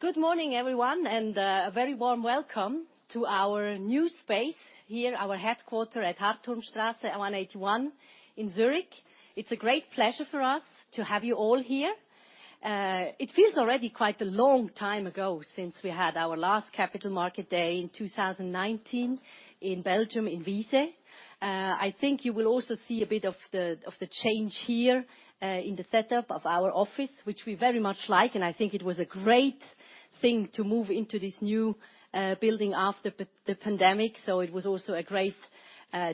Good morning, everyone, and a very warm welcome to our new space here, our headquarters at Hardturmstrasse 181 in Zurich. It's a great pleasure for us to have you all here. It feels already quite a long time ago since we had our last capital market day in 2019 in Belgium, in Wieze. I think you will also see a bit of the change here in the setup of our office, which we very much like, and I think it was a great thing to move into this new building after the pandemic, so it was also a great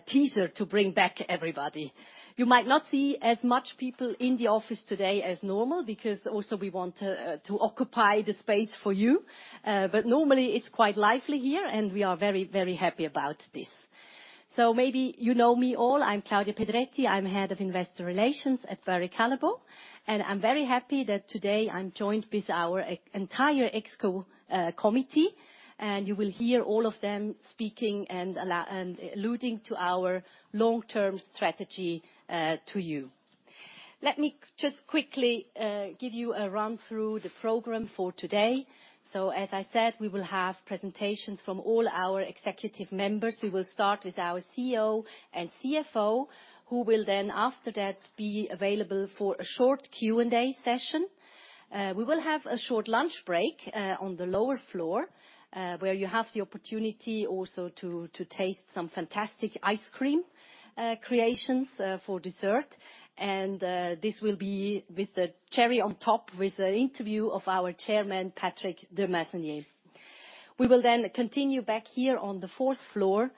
teaser to bring back everybody. You might not see as much people in the office today as normal because also we want to occupy the space for you. Normally it's quite lively here, and we are very happy about this. Maybe you know me all. I'm Claudia Pedretti. I'm Head of Investor Relations at Barry Callebaut. I'm very happy that today I'm joined with our entire ExCo committee, and you will hear all of them speaking and alluding to our long-term strategy to you. Let me just quickly give you a run through the program for today. As I said, we will have presentations from all our executive members. We will start with our CEO and CFO, who will then after that be available for a short Q&A session. We will have a short lunch break on the lower floor, where you have the opportunity also to taste some fantastic ice cream creations for dessert. This will be with the cherry on top, with an interview of our Chairman, Patrick De Maeseneire. We will then continue back here on the fourth floor,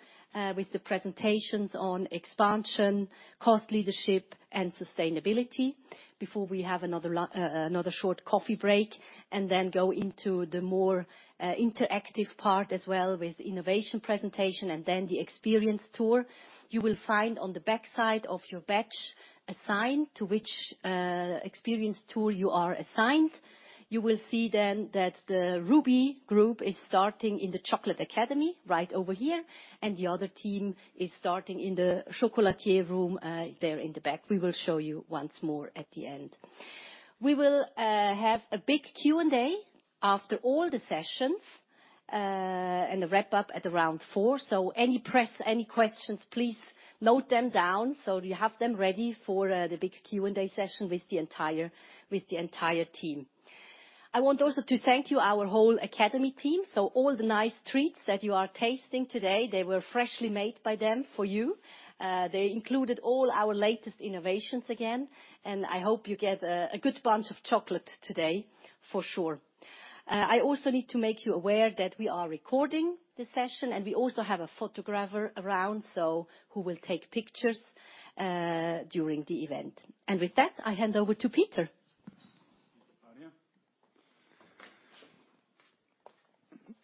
with the presentations on expansion, cost leadership, and sustainability before we have another short coffee break, and then go into the more interactive part as well with innovation presentation and then the experience tour. You will find on the backside of your badge assigned to which experience tour you are assigned. You will see then that the Ruby group is starting in the Chocolate Academy right over here, and the other team is starting in the chocolatier room there in the back. We will show you once more at the end. We will have a big Q&A after all the sessions, and a wrap-up at around four. Any press, any questions, please note them down so you have them ready for the big Q&A session with the entire team. I want also to thank our whole academy team. All the nice treats that you are tasting today, they were freshly made by them for you. They included all our latest innovations again, and I hope you get a good bunch of chocolate today for sure. I also need to make you aware that we are recording this session, and we also have a photographer around, so who will take pictures during the event. With that, I hand over to Peter.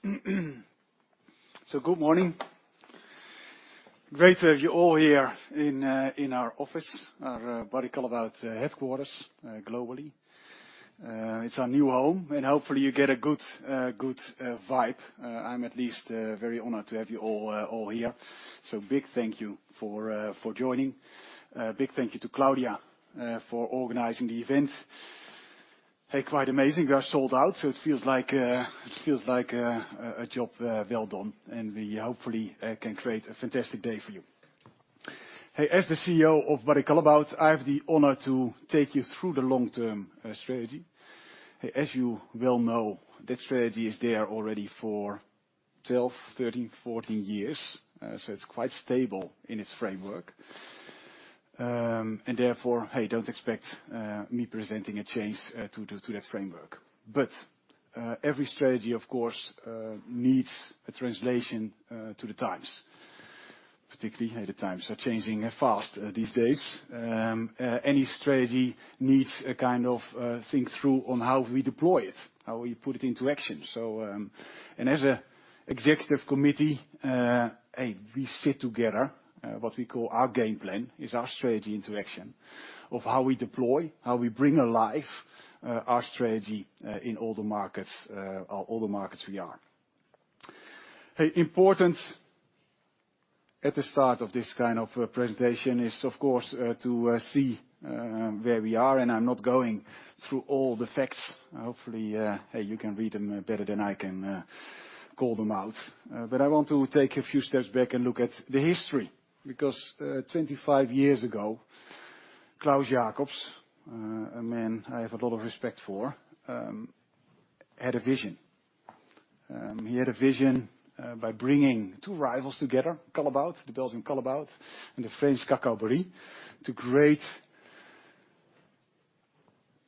Good morning. Great to have you all here in our office, our Barry Callebaut headquarters, globally. It's our new home, and hopefully you get a good vibe. I'm at least very honored to have you all here. Big thank you for joining. Big thank you to Claudia for organizing the event. Hey, quite amazing, we are sold out, so it feels like a job well done. We hopefully can create a fantastic day for you. Hey, as the CEO of Barry Callebaut, I have the honor to take you through the long-term strategy. As you well know, that strategy is there already for 12, 13, 14 years. It's quite stable in its framework. Therefore, hey, don't expect me presenting a change to that framework. Every strategy, of course, needs a translation to the times. Particularly, hey, the times are changing fast these days. Any strategy needs a kind of think through on how we deploy it, how we put it into action. As an Executive Committee, hey, we sit together, what we call our game plan is our strategy into action of how we deploy, how we bring alive, our strategy in all the markets, all the markets we are. Hey, important at the start of this kind of presentation is, of course, to see where we are, and I'm not going through all the facts. Hopefully, you can read them better than I can, call them out. I want to take a few steps back and look at the history. 25 years ago, Klaus Jacobs, a man I have a lot of respect for, had a vision. He had a vision by bringing two rivals together, Callebaut, the Belgian Callebaut, and the French Cacao Barry, to create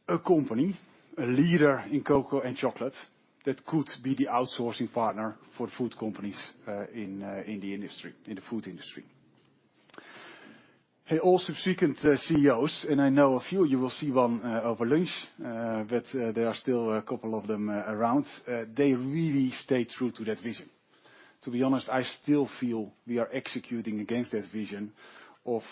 a company, a leader in cocoa and chocolate, that could be the outsourcing partner for food companies in the food industry. All subsequent CEOs, and I know a few, you will see one over lunch, but there are still a couple of them around. They really stayed true to that vision. To be honest, I still feel we are executing against that vision of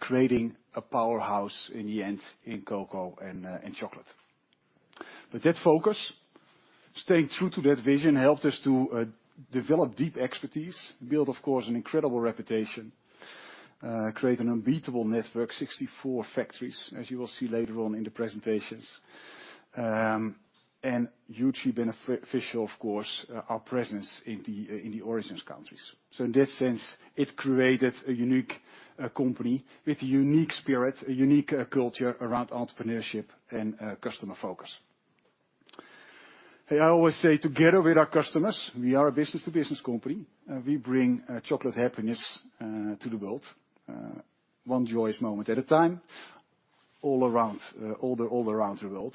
creating a powerhouse in the end in cocoa and chocolate. Staying true to that vision helped us to develop deep expertise, build, of course, an incredible reputation, create an unbeatable network, 64 factories, as you will see later on in the presentations. And hugely beneficial, of course, our presence in the origins countries. In that sense, it created a unique company with unique spirit, a unique culture around entrepreneurship and customer focus. I always say together with our customers, we are a business to business company. We bring chocolate happiness to the world, one joyous moment at a time, all around the world.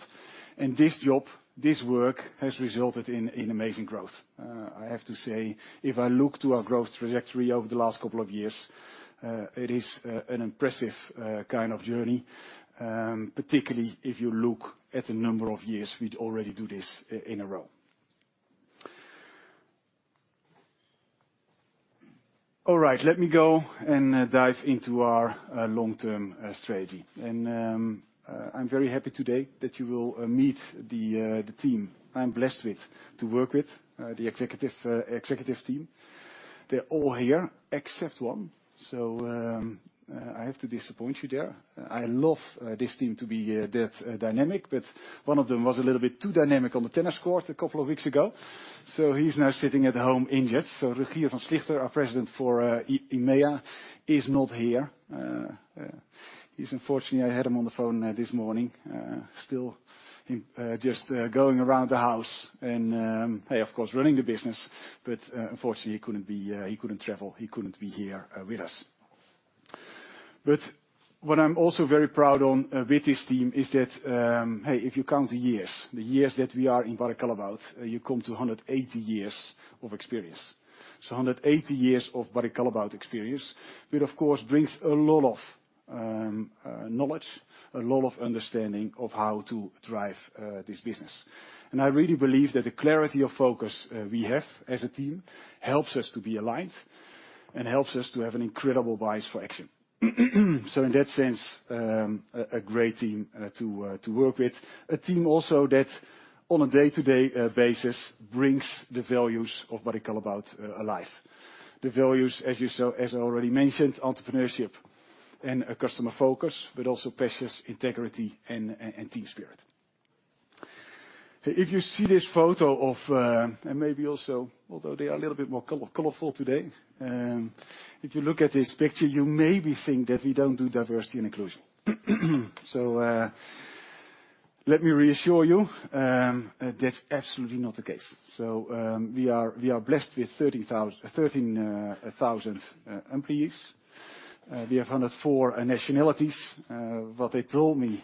This job, this work, has resulted in amazing growth. I have to say, if I look to our growth trajectory over the last couple of years, it is an impressive kind of journey, particularly if you look at the number of years we'd already do this in a row. All right. Let me go and dive into our long-term strategy. I'm very happy today that you will meet the team I'm blessed with, to work with, the executive team. They're all here except one. I have to disappoint you there. I love this team to be that dynamic, but one of them was a little bit too dynamic on the tennis court a couple of weeks ago, so he's now sitting at home injured. Rogier van Sligter, our president for EMEA, is not here. He's unfortunately. I had him on the phone this morning, still in just going around the house and of course running the business. Unfortunately, he couldn't be. He couldn't travel. He couldn't be here with us. What I'm also very proud on with this team is that if you count the years that we are in Barry Callebaut, you come to 180 years of experience. 180 years of Barry Callebaut experience, which of course brings a lot of knowledge, a lot of understanding of how to drive this business. I really believe that the clarity of focus we have as a team helps us to be aligned and helps us to have an incredible bias for action. In that sense, a great team to work with. A team also that on a day-to-day basis brings the values of Barry Callebaut alive. The values, as you saw, as I already mentioned, entrepreneurship and customer focus, but also passion, integrity, and team spirit. If you see this photo of and maybe also, although they are a little bit more colorful today, if you look at this picture, you maybe think that we don't do diversity and inclusion. Let me reassure you, that's absolutely not the case. We are blessed with 13,000 employees. We have 104 nationalities. What they told me,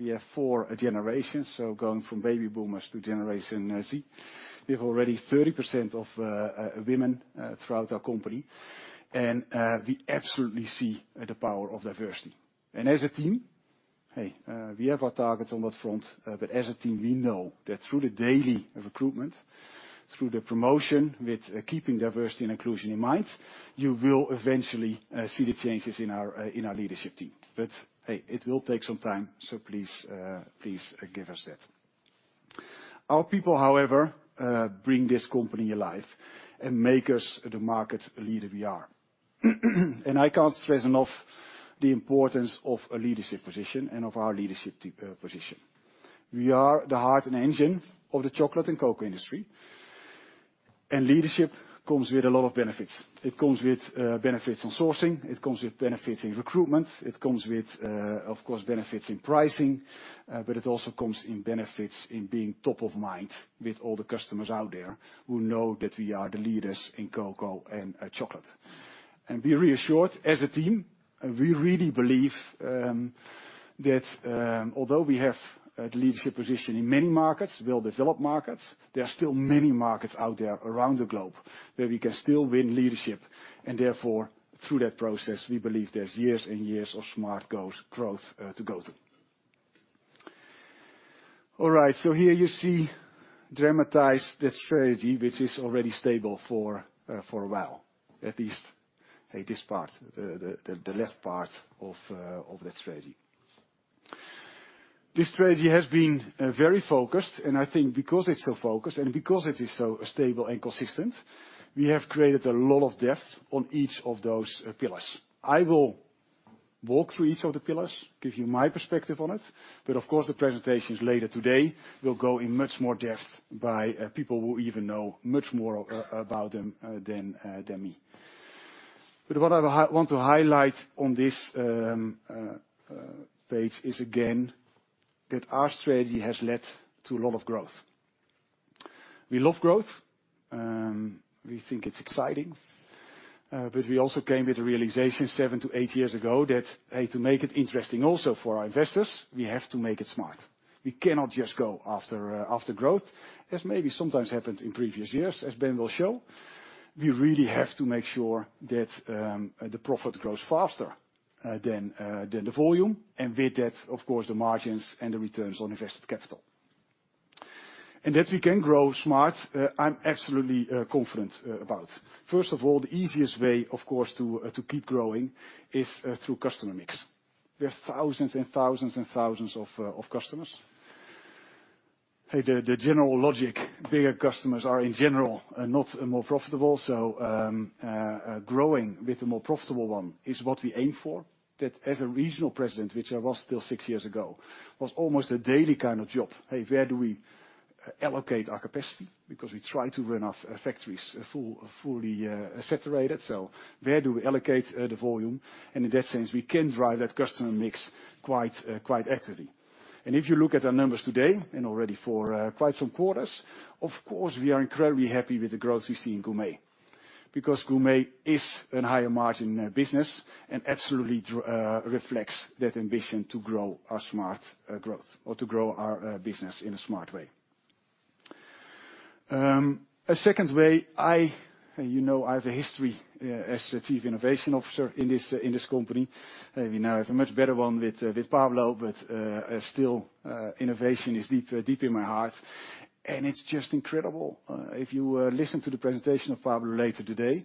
we have four generations, so going from Baby Boomers to Generation Z. We have already 30% of women throughout our company, and we absolutely see the power of diversity. As a team, we have our targets on that front, but as a team, we know that through the daily recruitment, through the promotion with keeping diversity and inclusion in mind, you will eventually see the changes in our leadership team. It will take some time, so please give us that. Our people, however, bring this company alive and make us the market leader we are. I can't stress enough the importance of a leadership position and of our leadership position. We are the heart and engine of the chocolate and cocoa industry, and leadership comes with a lot of benefits. It comes with benefits on sourcing, it comes with benefit in recruitment, it comes with, of course, benefits in pricing, but it also comes in benefits in being top of mind with all the customers out there who know that we are the leaders in cocoa and chocolate. Be reassured, as a team, we really believe that although we have a leadership position in many markets, well-developed markets, there are still many markets out there around the globe where we can still win leadership. Therefore, through that process, we believe there's years and years of smart goals, growth to go through. All right. Here you see dramatized the strategy, which is already stable for a while, at least, this part, the left part of that strategy. This strategy has been very focused, and I think because it's so focused and because it is so stable and consistent, we have created a lot of depth on each of those pillars. I will walk through each of the pillars, give you my perspective on it, but of course, the presentations later today will go in much more depth by people who even know much more about them than me. What I want to highlight on this page is again, that our strategy has led to a lot of growth. We love growth. We think it's exciting. We also came with the realization 7-8 years ago that, hey, to make it interesting also for our investors, we have to make it smart. We cannot just go after growth, as maybe sometimes happened in previous years, as Ben will show. We really have to make sure that the profit grows faster than the volume, and with that, of course, the margins and the returns on invested capital. That we can grow smart, I'm absolutely confident about. First of all, the easiest way, of course, to keep growing is through customer mix. We have thousands and thousands and thousands of customers. Hey, the general logic, bigger customers are in general not more profitable. Growing with the more profitable one is what we aim for. That as a regional president, which I was till six years ago, was almost a daily kind of job. Hey, where do we allocate our capacity? Because we try to run our factories fully saturated. So where do we allocate the volume? In that sense, we can drive that customer mix quite actively. If you look at our numbers today, and already for quite some quarters, of course, we are incredibly happy with the growth we see in Gourmet. Because Gourmet is a higher margin business, and absolutely reflects that ambition to grow our smart growth or to grow our business in a smart way. A second way, you know I have a history as the chief innovation officer in this company. We now have a much better one with Pablo, but still, innovation is deep in my heart. It's just incredible. If you listen to the presentation of Pablo later today,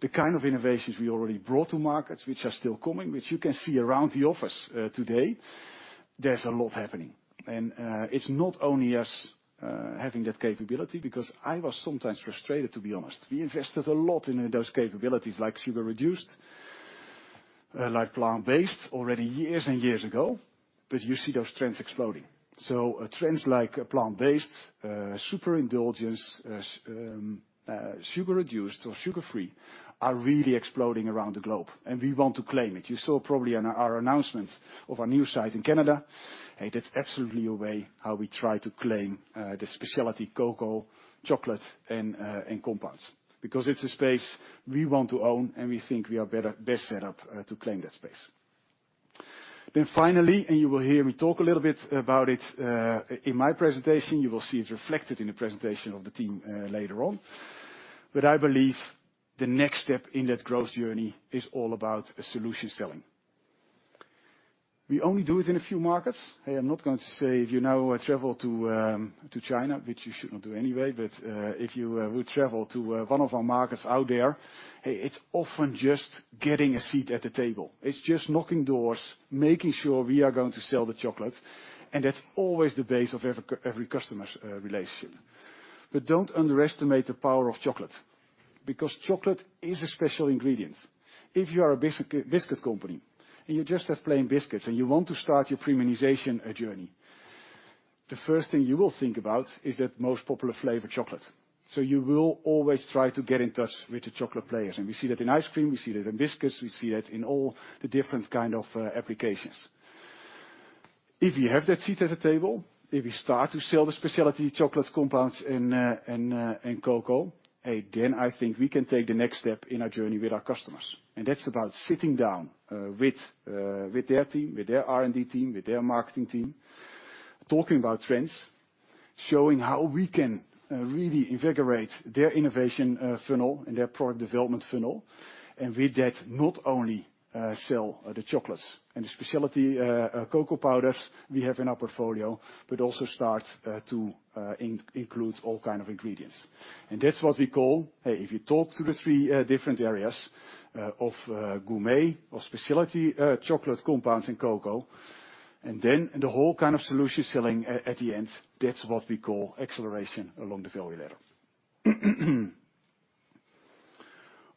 the kind of innovations we already brought to markets, which are still coming, which you can see around the office today, there's a lot happening. It's not only us having that capability, because I was sometimes frustrated, to be honest. We invested a lot in those capabilities, like sugar reduced, like plant-based already years and years ago, but you see those trends exploding. Trends like plant-based, super indulgence, sugar reduced or sugar-free are really exploding around the globe, and we want to claim it. You saw probably our announcement of our new site in Canada. Hey, that's absolutely a way how we try to claim the specialty cocoa, chocolate and compounds. Because it's a space we want to own, and we think we are best set up to claim that space. Finally, and you will hear me talk a little bit about it in my presentation, you will see it reflected in the presentation of the team later on. I believe the next step in that growth journey is all about solution selling. We only do it in a few markets. I am not going to say if you now travel to China, which you should not do anyway. If you would travel to one of our markets out there, hey, it's often just getting a seat at the table. It's just knocking doors, making sure we are going to sell the chocolate, and that's always the base of every customer's relationship. Don't underestimate the power of chocolate, because chocolate is a special ingredient. If you are a biscuit company and you just have plain biscuits and you want to start your premiumization journey, the first thing you will think about is that most popular flavor, chocolate. You will always try to get in touch with the chocolate players. We see that in ice cream, we see that in biscuits, we see that in all the different kind of applications. If you have that seat at the table, if you start to sell the specialty chocolate compounds and cocoa, hey, then I think we can take the next step in our journey with our customers. That's about sitting down with their team, with their R&D team, with their marketing team, talking about trends, showing how we can really invigorate their innovation funnel and their product development funnel. With that, not only sell the chocolates and the specialty cocoa powders we have in our portfolio, but also start to include all kind of ingredients. That's what we call, hey, if you talk to the three different areas of Gourmet, of specialty chocolate compounds and cocoa, and then the whole kind of solution selling at the end, that's what we call acceleration along the value ladder.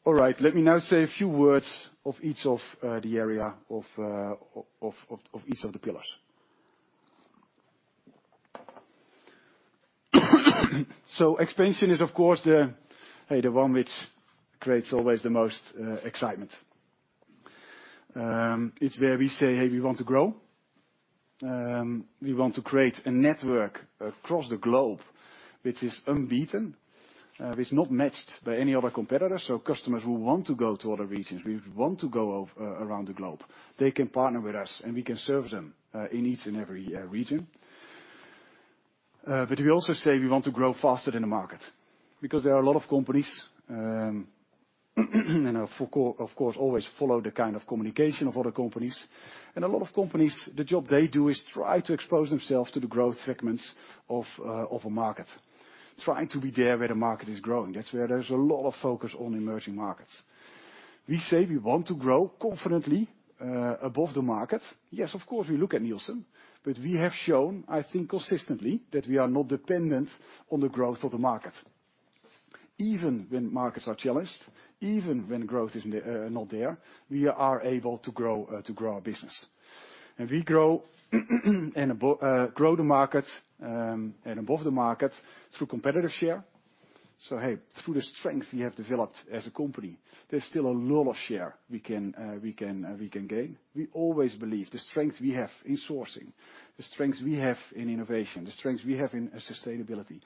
All right, let me now say a few words of each of the area of each of the pillars. Expansion is of course the one which creates always the most excitement. It's where we say, "We want to grow. We want to create a network across the globe which is unbeaten, which is not matched by any other competitor." Customers who want to go to other regions, we want to go around the globe. They can partner with us, and we can serve them in each and every region. But we also say we want to grow faster than the market because there are a lot of companies, and of course, always follow the kind of communication of other companies. A lot of companies, the job they do is try to expose themselves to the growth segments of a market, trying to be there where the market is growing. That's where there's a lot of focus on emerging markets. We say we want to grow confidently above the market. Yes, of course, we look at Nielsen, but we have shown, I think, consistently, that we are not dependent on the growth of the market. Even when markets are challenged, even when growth is not there, we are able to grow our business. We grow above the market through competitive share. Hey, through the strength we have developed as a company, there's still a lot of share we can gain. We always believe the strength we have in sourcing, the strength we have in innovation, the strength we have in sustainability,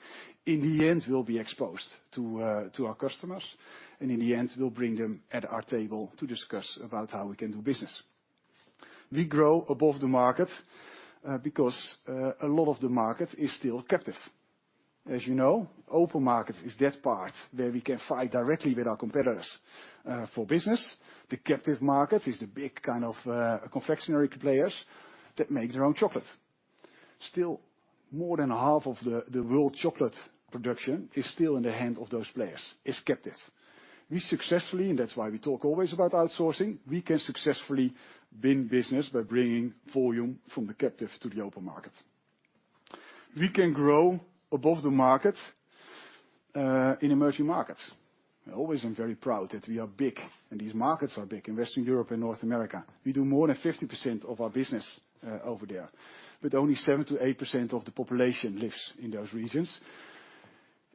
in the end, will be exposed to our customers, and in the end, will bring them at our table to discuss about how we can do business. We grow above the market, because a lot of the market is still captive. As you know, open market is that part where we can fight directly with our competitors for business. The captive market is the big kind of confectionery players that make their own chocolate. Still, more than half of the world chocolate production is still in the hand of those players, is captive. We successfully, and that's why we talk always about outsourcing, we can successfully win business by bringing volume from the captive to the open market. We can grow above the market in emerging markets. I'm very proud that we are big, and these markets are big in Western Europe and North America. We do more than 50% of our business over there, but only 7%-8% of the population lives in those regions.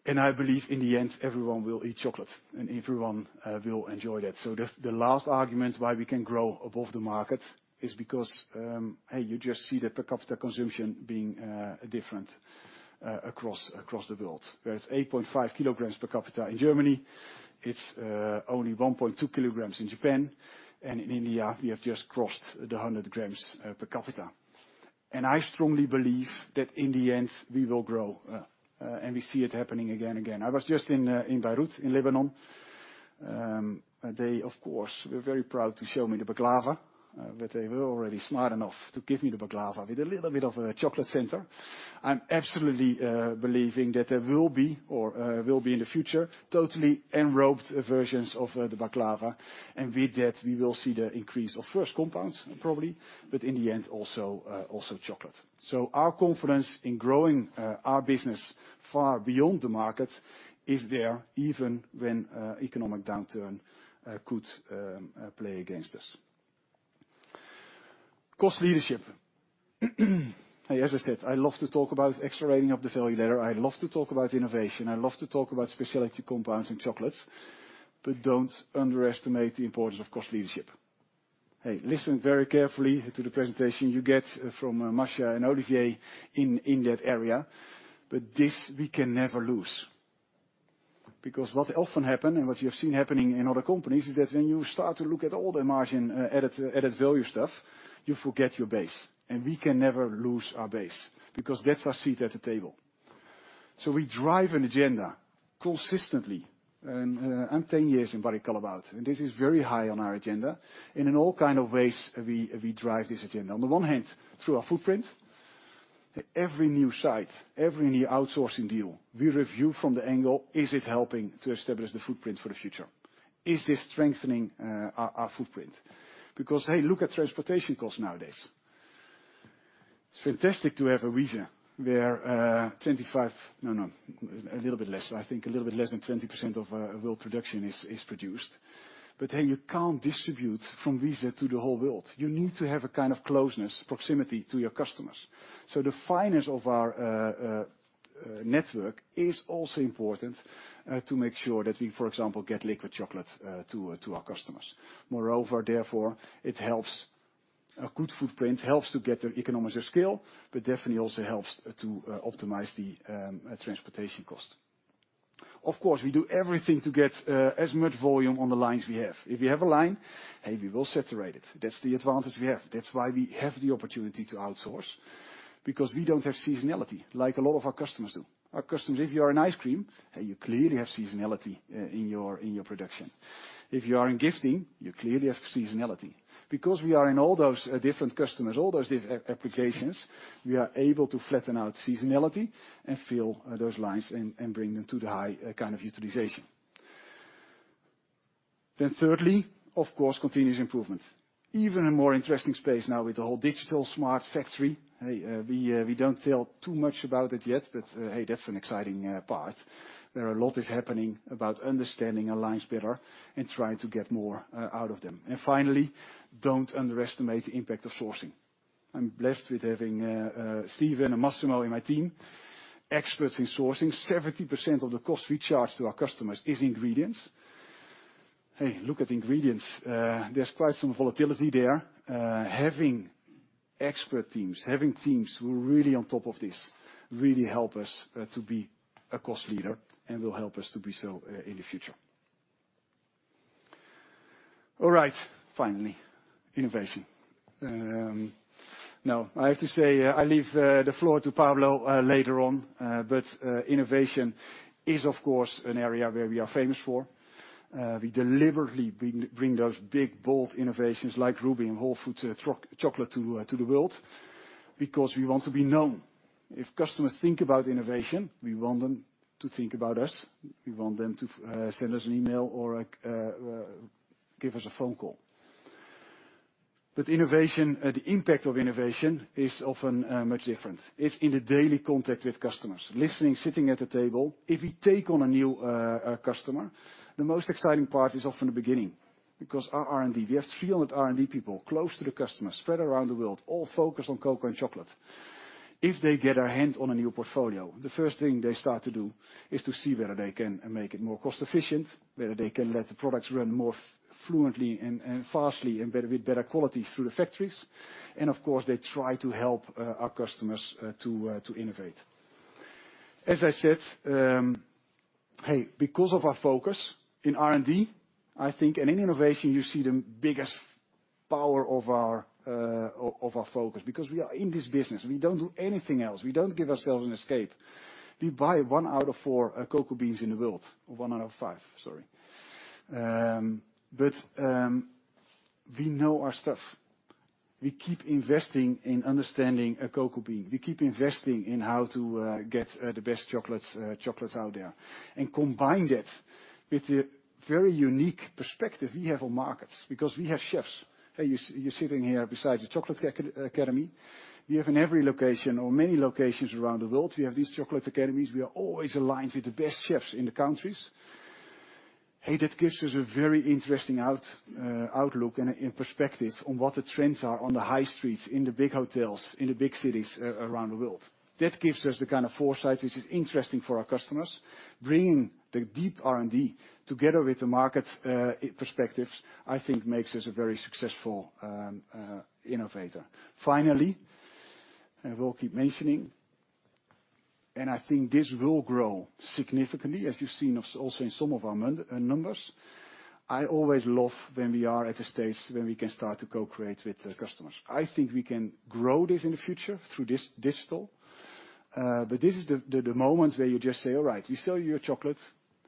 I believe in the end, everyone will eat chocolate, and everyone will enjoy that. The last argument why we can grow above the market is because you just see the per capita consumption being different across the world. Where it's 8.5 kilograms per capita in Germany, it's only 1.2 kilograms in Japan, and in India, we have just crossed 100 grams per capita. I strongly believe that in the end, we will grow, and we see it happening again and again. I was just in Beirut, in Lebanon. They, of course, were very proud to show me the baklava, but they were already smart enough to give me the baklava with a little bit of a chocolate center. I'm absolutely believing that there will be in the future totally enrobed versions of the baklava. With that, we will see the increase of first compounds, probably, but in the end, also chocolate. Our confidence in growing our business far beyond the market is there even when economic downturn could play against us. Cost leadership. As I said, I love to talk about accelerating up the value ladder. I love to talk about innovation. I love to talk about specialty compounds and chocolates. Don't underestimate the importance of cost leadership. Hey, listen very carefully to the presentation you get from Masha and Olivier in that area. This we can never lose. Because what often happen and what you have seen happening in other companies is that when you start to look at all the margin, added value stuff, you forget your base. We can never lose our base because that's our seat at the table. We drive an agenda consistently. I'm 10 years in Barry Callebaut, and this is very high on our agenda. In all kind of ways, we drive this agenda. On the one hand, through our footprint, every new site, every new outsourcing deal, we review from the angle, is it helping to establish the footprint for the future? Is this strengthening our footprint? Because hey, look at transportation costs nowadays. It's fantastic to have Ghana where a little bit less than 20% of world production is produced. You can't distribute from Ghana to the whole world. You need to have a kind of closeness, proximity to your customers. The fineness of our network is also important to make sure that we, for example, get liquid chocolate to our customers. Moreover, therefore, it helps. A good footprint helps to get the economies of scale, but definitely also helps to optimize the transportation cost. Of course, we do everything to get as much volume on the lines we have. If you have a line, hey, we will saturate it. That's the advantage we have. That's why we have the opportunity to outsource, because we don't have seasonality like a lot of our customers do. Our customers, if you are an ice cream, hey, you clearly have seasonality in your production. If you are in gifting, you clearly have seasonality. Because we are in all those different customers, all those different applications, we are able to flatten out seasonality and fill those lines and bring them to the high kind of utilization. Thirdly, of course, continuous improvement. Even more interesting space now with the whole digital smart factory. Hey, we don't tell too much about it yet, but hey, that's an exciting part. A lot is happening about understanding our lines better and trying to get more out of them. Finally, don't underestimate the impact of sourcing. I'm blessed with having Steven and Massimo in my team, experts in sourcing. 70% of the cost we charge to our customers is ingredients. Hey, look at ingredients. There's quite some volatility there. Having expert teams, having teams who are really on top of this, really help us to be a cost leader and will help us to be so in the future. All right. Innovation. Now, I have to say, I leave the floor to Pablo later on. Innovation is, of course, an area where we are famous for. We deliberately bring those big, bold innovations like Ruby and WholeFruit chocolate to the world because we want to be known. If customers think about innovation, we want them to think about us. We want them to send us an email or give us a phone call. Innovation, the impact of innovation is often much different. It's in the daily contact with customers, listening, sitting at the table. If we take on a new customer, the most exciting part is often the beginning. Because our R&D, we have 300 R&D people close to the customers, spread around the world, all focused on cocoa and chocolate. If they get their hands on a new portfolio, the first thing they start to do is to see whether they can make it more cost efficient, whether they can let the products run more fluently and fastly and better with better quality through the factories. Of course, they try to help our customers to innovate. As I said, because of our focus in R&D, I think and in innovation, you see the biggest power of our focus, because we are in this business. We don't do anything else. We don't give ourselves an escape. We buy one out of four cocoa beans in the world, or one out of five, sorry. We know our stuff. We keep investing in understanding a cocoa bean. We keep investing in how to get the best chocolates out there. Combine that with the very unique perspective we have on markets, because we have chefs. You're sitting here beside a Chocolate Academy. We have in every location or many locations around the world, we have these Chocolate Academies. We are always aligned with the best chefs in the countries. Hey, that gives us a very interesting outlook and perspective on what the trends are on the high streets, in the big hotels, in the big cities around the world. That gives us the kind of foresight which is interesting for our customers. Bringing the deep R&D together with the market perspectives, I think makes us a very successful innovator. Finally, we'll keep mentioning, I think this will grow significantly, as you've seen also in some of our numbers. I always love when we are at a stage when we can start to co-create with the customers. I think we can grow this in the future through this digital. This is the moment where you just say, "All right, we sell you your chocolate.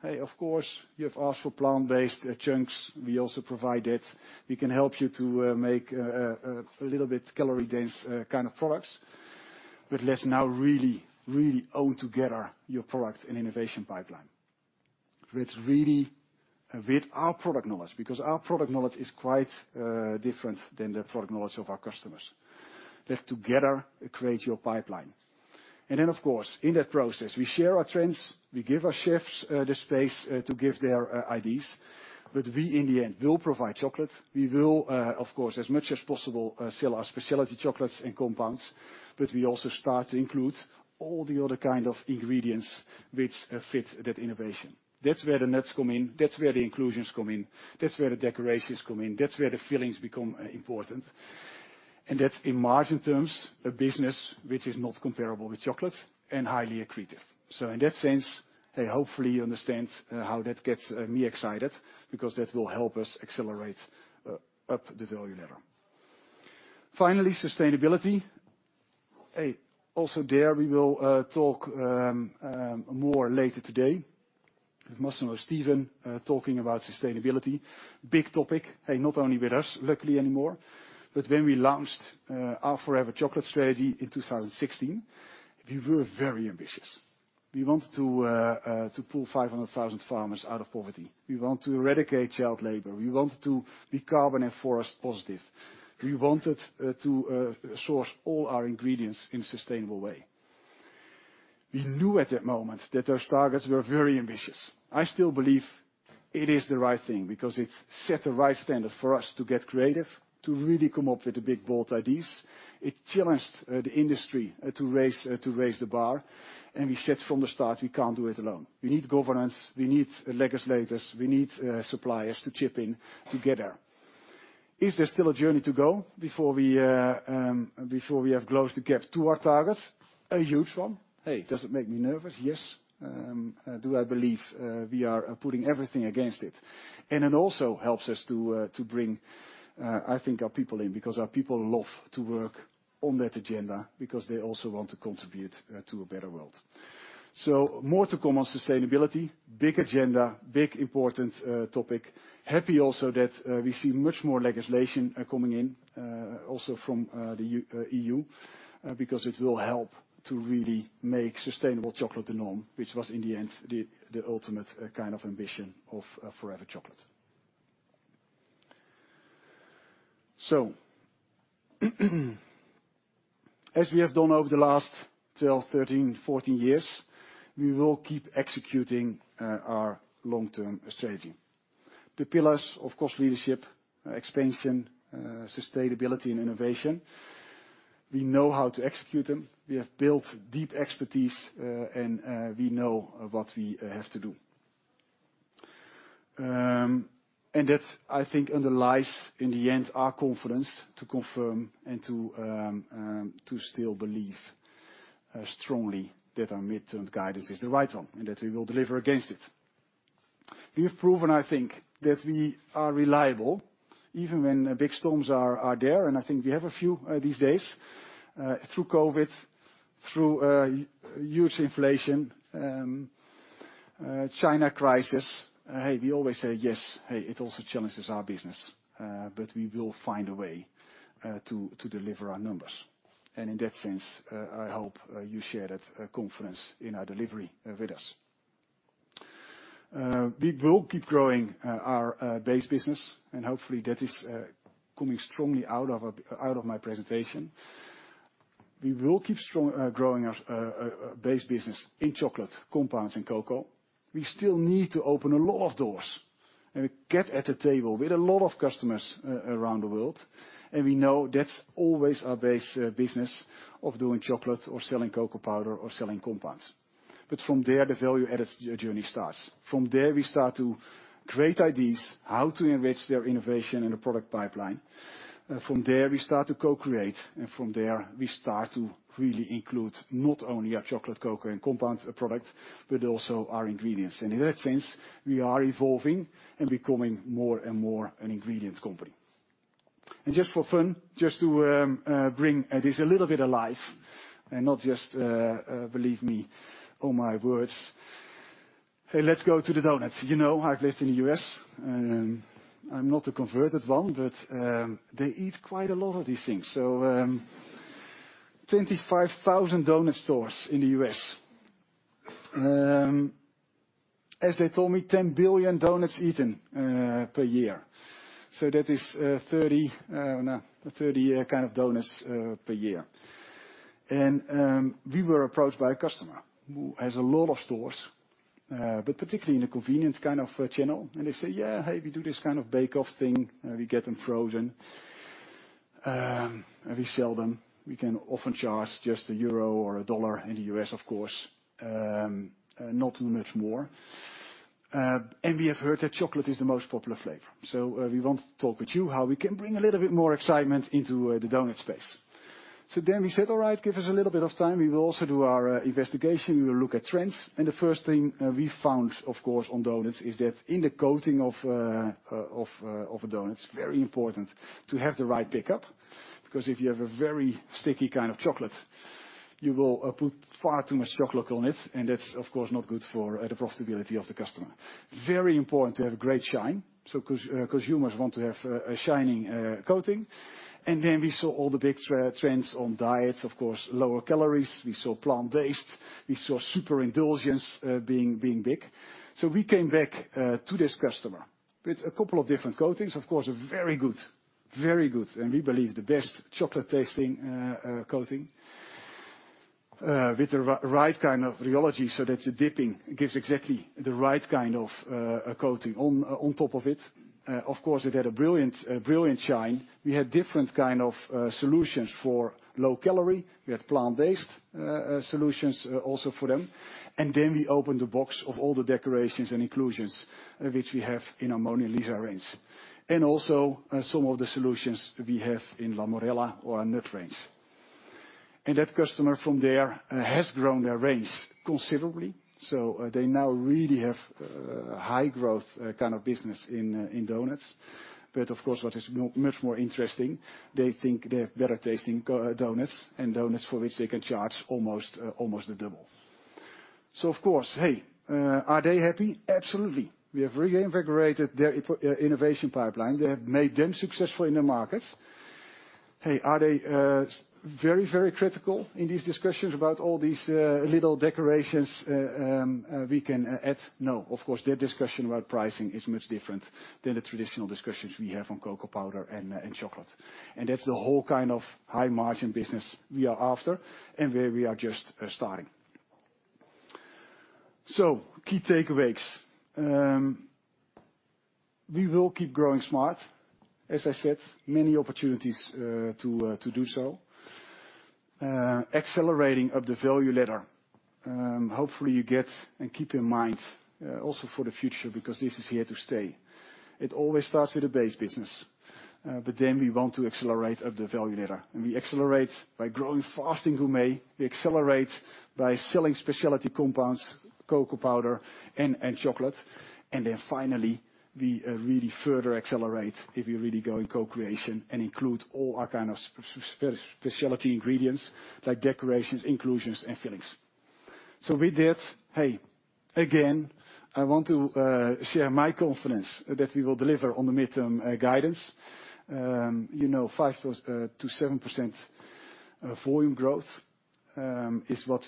Hey, of course, you have asked for plant-based chunks. We also provide that. We can help you to make a little bit calorie-dense kind of products. Let's now really own together your product and innovation pipeline. With our product knowledge, because our product knowledge is quite different than the product knowledge of our customers. Let's together create your pipeline. Then, of course, in that process, we share our trends, we give our chefs the space to give their ideas. We, in the end, will provide chocolate. We will, of course, as much as possible, sell our specialty chocolates and compounds, but we also start to include all the other kind of ingredients which fit that innovation. That's where the nuts come in. That's where the inclusions come in. That's where the decorations come in. That's where the fillings become important. That's, in margin terms, a business which is not comparable with chocolate and highly accretive. In that sense, hopefully you understand how that gets me excited, because that will help us accelerate up the value ladder. Finally, sustainability. Also there, we will talk more later today. With Marcel or Steven talking about sustainability. Big topic, hey, not only with us, luckily anymore. When we launched our Forever Chocolate strategy in 2016, we were very ambitious. We wanted to pull 500,000 farmers out of poverty. We want to eradicate child labor. We wanted to be carbon and forest positive. We wanted to source all our ingredients in a sustainable way. We knew at that moment that those targets were very ambitious. I still believe it is the right thing because it set the right standard for us to get creative, to really come up with the big, bold ideas. It challenged the industry to raise the bar. We said from the start, we can't do it alone. We need governance. We need legislators. We need suppliers to chip in together. Is there still a journey to go before we have closed the gap to our targets? A huge one. Hey, does it make me nervous? Yes. Do I believe we are putting everything against it? It also helps us to bring I think our people in, because our people love to work on that agenda because they also want to contribute to a better world. More to come on sustainability. Big agenda, big important topic. Happy also that we see much more legislation coming in, also from the EU, because it will help to really make sustainable chocolate the norm, which was in the end the ultimate kind of ambition of Forever Chocolate. As we have done over the last 12, 13, 14 years, we will keep executing our long-term strategy. The pillars of cost leadership, expansion, sustainability and innovation, we know how to execute them. We have built deep expertise, and we know what we have to do. That, I think, underlies in the end our confidence to confirm and to still believe strongly that our midterm guidance is the right one, and that we will deliver against it. We have proven, I think, that we are reliable, even when big storms are there, and I think we have a few these days, through COVID, through huge inflation, China crisis. Hey, we always say yes. Hey, it also challenges our business, but we will find a way to deliver our numbers. In that sense, I hope you share that confidence in our delivery with us. We will keep growing our base business, and hopefully that is coming strongly out of my presentation. We will keep strong growing our base business in chocolate, compounds, and cocoa. We still need to open a lot of doors and get at the table with a lot of customers around the world. We know that's always our base business of doing chocolate or selling cocoa powder or selling compounds. From there, the value-added journey starts. From there, we start to create ideas how to enrich their innovation and the product pipeline. From there, we start to co-create. From there, we start to really include not only our chocolate, cocoa, and compound product, but also our ingredients. In that sense, we are evolving and becoming more and more an ingredients company. Just for fun, just to bring this a little bit alive and not just believe me on my words. Hey, let's go to the donuts. You know I've lived in the US, and I'm not a converted one, but they eat quite a lot of these things. 25,000 donut stores in the US. As they told me, 10 billion donuts eaten per year. That is 30 kind of donuts per year. We were approached by a customer who has a lot of stores, but particularly in a convenience kind of channel. They say, "Yeah. Hey, we do this kind of bake-off thing, we get them frozen, and we sell them. We can often charge just EUR 1 or $1 in the U.S., of course, not much more. We have heard that chocolate is the most popular flavor. We want to talk with you how we can bring a little bit more excitement into the donut space." We said, "All right, give us a little bit of time. We will also do our investigation. We will look at trends. The first thing we found, of course, on donuts is that in the coating of a donut, it's very important to have the right pickup, because if you have a very sticky kind of chocolate, you will put far too much chocolate on it. That's, of course, not good for the profitability of the customer. Very important to have great shine, so consumers want to have a shiny coating. We saw all the big trends on diets, of course, lower calories. We saw plant-based. We saw super indulgence being big. We came back to this customer with a couple of different coatings. Of course, a very good, and we believe the best chocolate-tasting coating with the right kind of rheology so that the dipping gives exactly the right kind of coating on top of it. Of course, it had a brilliant shine. We had different kind of solutions for low calorie. We had plant-based solutions also for them. We opened a box of all the decorations and inclusions which we have in our Mona Lisa range. Some of the solutions we have in La Morella or our nut range. That customer from there has grown their range considerably, so they now really have high growth kind of business in donuts. Of course, what is much more interesting, they think they have better tasting donuts, and donuts for which they can charge almost the double. Of course, hey, are they happy? Absolutely. We have reinvigorated their innovation pipeline. They have made them successful in their markets. Hey, are they very, very critical in these discussions about all these little decorations we can add? No. Of course, their discussion about pricing is much different than the traditional discussions we have on cocoa powder and chocolate. That's the whole kind of high margin business we are after and where we are just starting. Key takeaways. We will keep growing smart. As I said, many opportunities to do so. Accelerating up the value ladder, hopefully you get and keep in mind also for the future, because this is here to stay. It always starts with the base business, but then we want to accelerate up the value ladder. We accelerate by growing fast in Gourmet. We accelerate by selling specialty compounds, cocoa powder, and chocolate. Then finally, we really further accelerate if you really go in co-creation and include all our kind of specialty ingredients, like decorations, inclusions and fillings. With that, hey, again, I want to share my confidence that we will deliver on the midterm guidance. You know, 5+ to 7% volume growth is what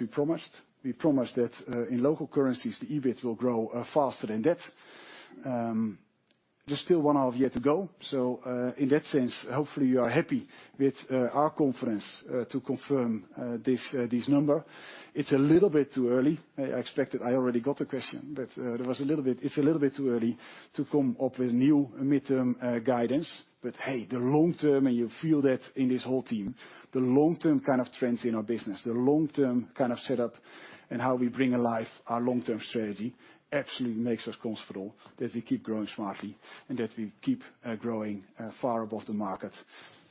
we promised. We promised that in local currencies, the EBIT will grow faster than that. There's still one half year to go, so in that sense, hopefully you are happy with our confidence to confirm this number. It's a little bit too early. I expected. I already got the question, but it was a little bit. It's a little bit too early to come up with new midterm guidance. Hey, the long term, and you feel that in this whole team, the long-term kind of trends in our business, the long-term kind of setup and how we bring alive our long-term strategy absolutely makes us comfortable that we keep growing smartly and that we keep growing far above the market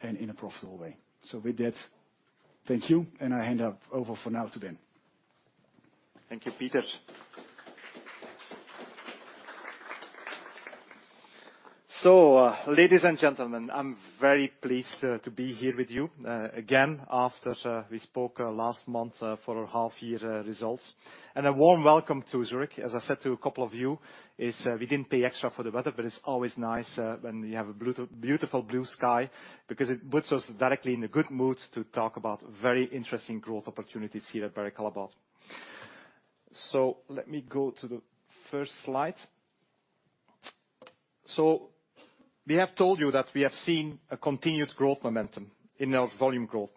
and in a profitable way. With that, thank you, and I hand over for now to Ben. Thank you, Peter. Ladies and gentlemen, I'm very pleased to be here with you again after we spoke last month for our half year results. A warm welcome to Zurich. As I said to a couple of you, we didn't pay extra for the weather, but it's always nice when we have a beautiful blue sky because it puts us directly in a good mood to talk about very interesting growth opportunities here at Barry Callebaut. Let me go to the first slide. We have told you that we have seen a continued growth momentum in our volume growth.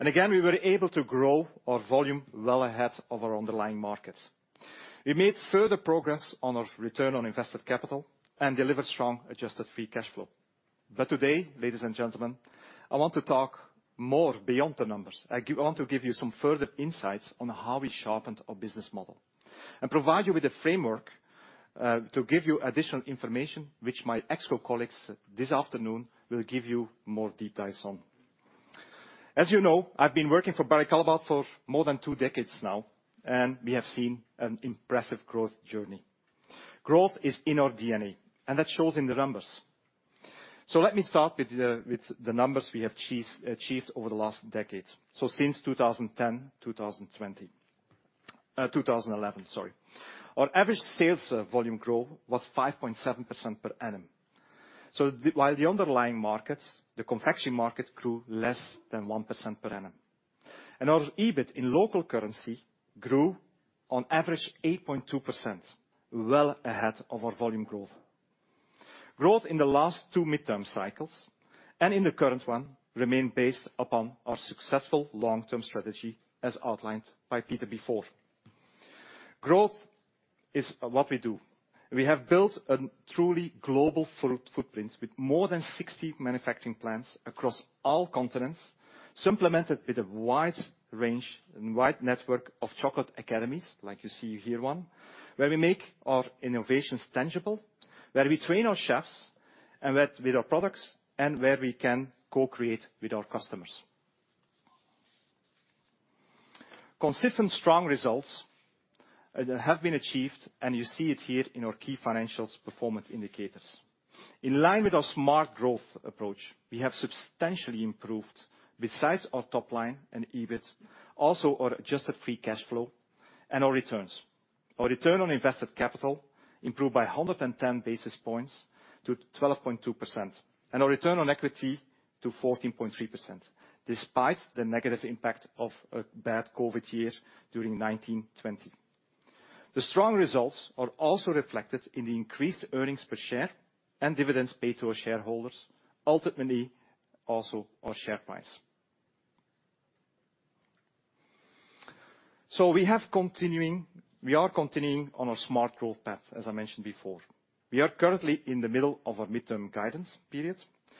Again, we were able to grow our volume well ahead of our underlying markets. We made further progress on our return on invested capital and delivered strong adjusted free cash flow. Today, ladies and gentlemen, I want to talk more beyond the numbers. I want to give you some further insights on how we sharpened our business model and provide you with a framework to give you additional information which my ExCo colleagues this afternoon will give you more details on. As you know, I've been working for Barry Callebaut for more than two decades now, and we have seen an impressive growth journey. Growth is in our DNA, and that shows in the numbers. Let me start with the numbers we have achieved over the last decades. Since 2011 to 2020, our average sales volume growth was 5.7% per annum. While the underlying markets, the confection market grew less than 1% per annum. Our EBIT in local currency grew on average 8.2%, well ahead of our volume growth. Growth in the last two midterm cycles, and in the current one remain based upon our successful long-term strategy as outlined by Peter before. Growth is what we do. We have built a truly global footprint with more than 60 manufacturing plants across all continents, supplemented with a wide range and wide network of chocolate academies, like you see here one, where we make our innovations tangible, where we train our chefs with our products, and where we can co-create with our customers. Consistent, strong results have been achieved, and you see it here in our key financials performance indicators. In line with our smart growth approach, we have substantially improved besides our top line and EBIT, also our adjusted free cash flow and our returns. Our return on invested capital improved by 110 basis points to 12.2%, and our return on equity to 14.3%, despite the negative impact of a bad COVID year during 2019-2020. The strong results are also reflected in the increased earnings per share and dividends paid to our shareholders, ultimately, also our share price. We are continuing on our smart growth path, as I mentioned before. We are currently in the middle of our midterm guidance period,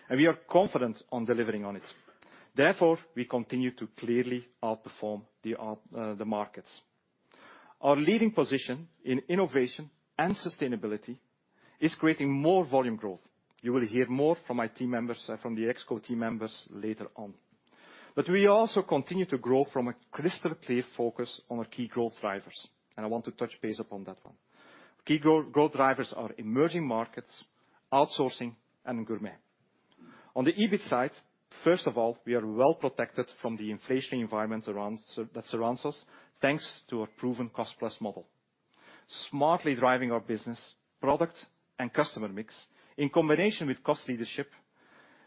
and we are confident on delivering on it. Therefore, we continue to clearly outperform the markets. Our leading position in innovation and sustainability is creating more volume growth. You will hear more from my team members, from the ExCo team members later on. We also continue to grow from a crystal clear focus on our key growth drivers, and I want to touch base upon that one. Key growth drivers are emerging markets, outsourcing, and Gourmet. On the EBIT side, first of all, we are well protected from the inflationary environment that surrounds us, thanks to our proven cost plus model. Smartly driving our business, product and customer mix, in combination with cost leadership,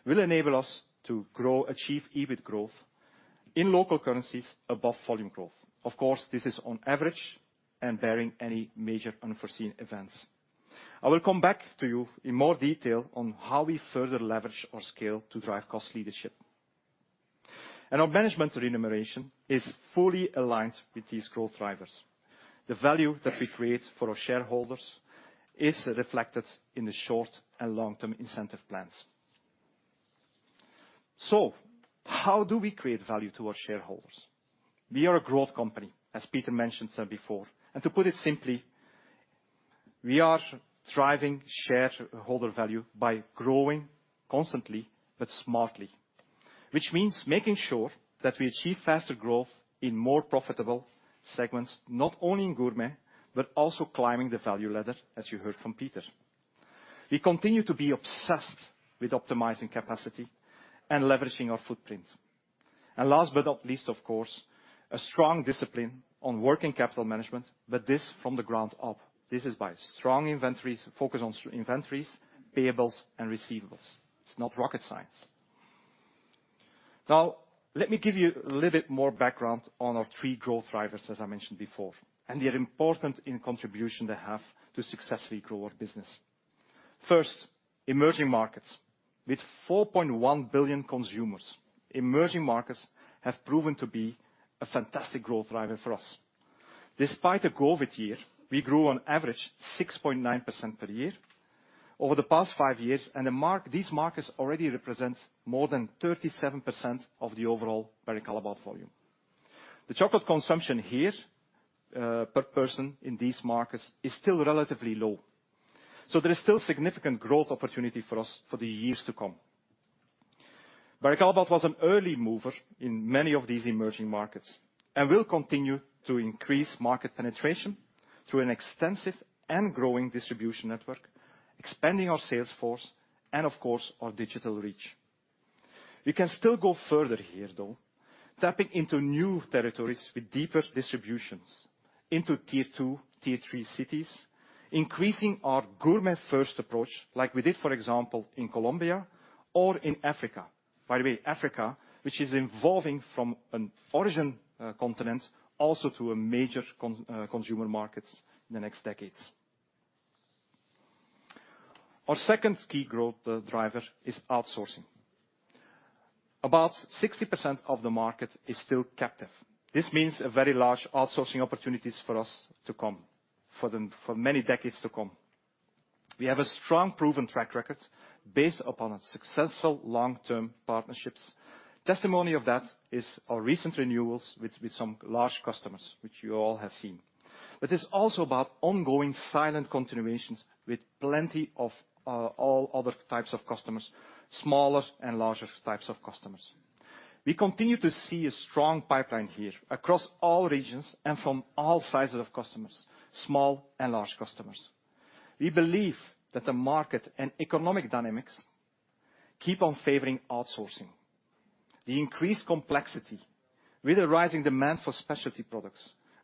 will enable us to achieve EBIT growth in local currencies above volume growth. Of course, this is on average and barring any major unforeseen events. I will come back to you in more detail on how we further leverage our scale to drive cost leadership. Our management remuneration is fully aligned with these growth drivers. The value that we create for our shareholders is reflected in the short- and long-term incentive plans. How do we create value to our shareholders? We are a growth company, as Peter mentioned, before. To put it simply, we are driving shareholder value by growing constantly but smartly, which means making sure that we achieve faster growth in more profitable segments, not only in Gourmet, but also climbing the value ladder, as you heard from Peter. We continue to be obsessed with optimizing capacity and leveraging our footprint. Last but not least, of course, a strong discipline on working capital management, but this from the ground up. This is by strong inventories, focus on inventories, payables and receivables. It's not rocket science. Now, let me give you a little bit more background on our three growth drivers, as I mentioned before, and the important contribution they have to successfully grow our business. First, emerging markets. With 4.1 billion consumers, emerging markets have proven to be a fantastic growth driver for us. Despite a COVID year, we grew on average 6.9% per year over the past five years, and these markets already represent more than 37% of the overall Barry Callebaut volume. The chocolate consumption here per person in these markets is still relatively low. There is still significant growth opportunity for us for the years to come. Barry Callebaut was an early mover in many of these emerging markets and will continue to increase market penetration through an extensive and growing distribution network, expanding our sales force and of course, our digital reach. We can still go further here, though, tapping into new territories with deeper distributions into tier two, tier three cities, increasing our Gourmet first approach, like we did, for example, in Colombia or in Africa. By the way, Africa, which is evolving from an origin continent also to a major consumer markets in the next decades. Our second key growth driver is outsourcing. About 60% of the market is still captive. This means a very large outsourcing opportunities for us to come, for many decades to come. We have a strong, proven track record based upon a successful long-term partnerships. Testimony of that is our recent renewals with some large customers, which you all have seen. It's also about ongoing client continuations with plenty of all other types of customers, smaller and larger types of customers. We continue to see a strong pipeline here across all regions and from all sizes of customers, small and large customers. We believe that the market and economic dynamics keep on favoring outsourcing. The increased complexity with the rising demand for specialty products,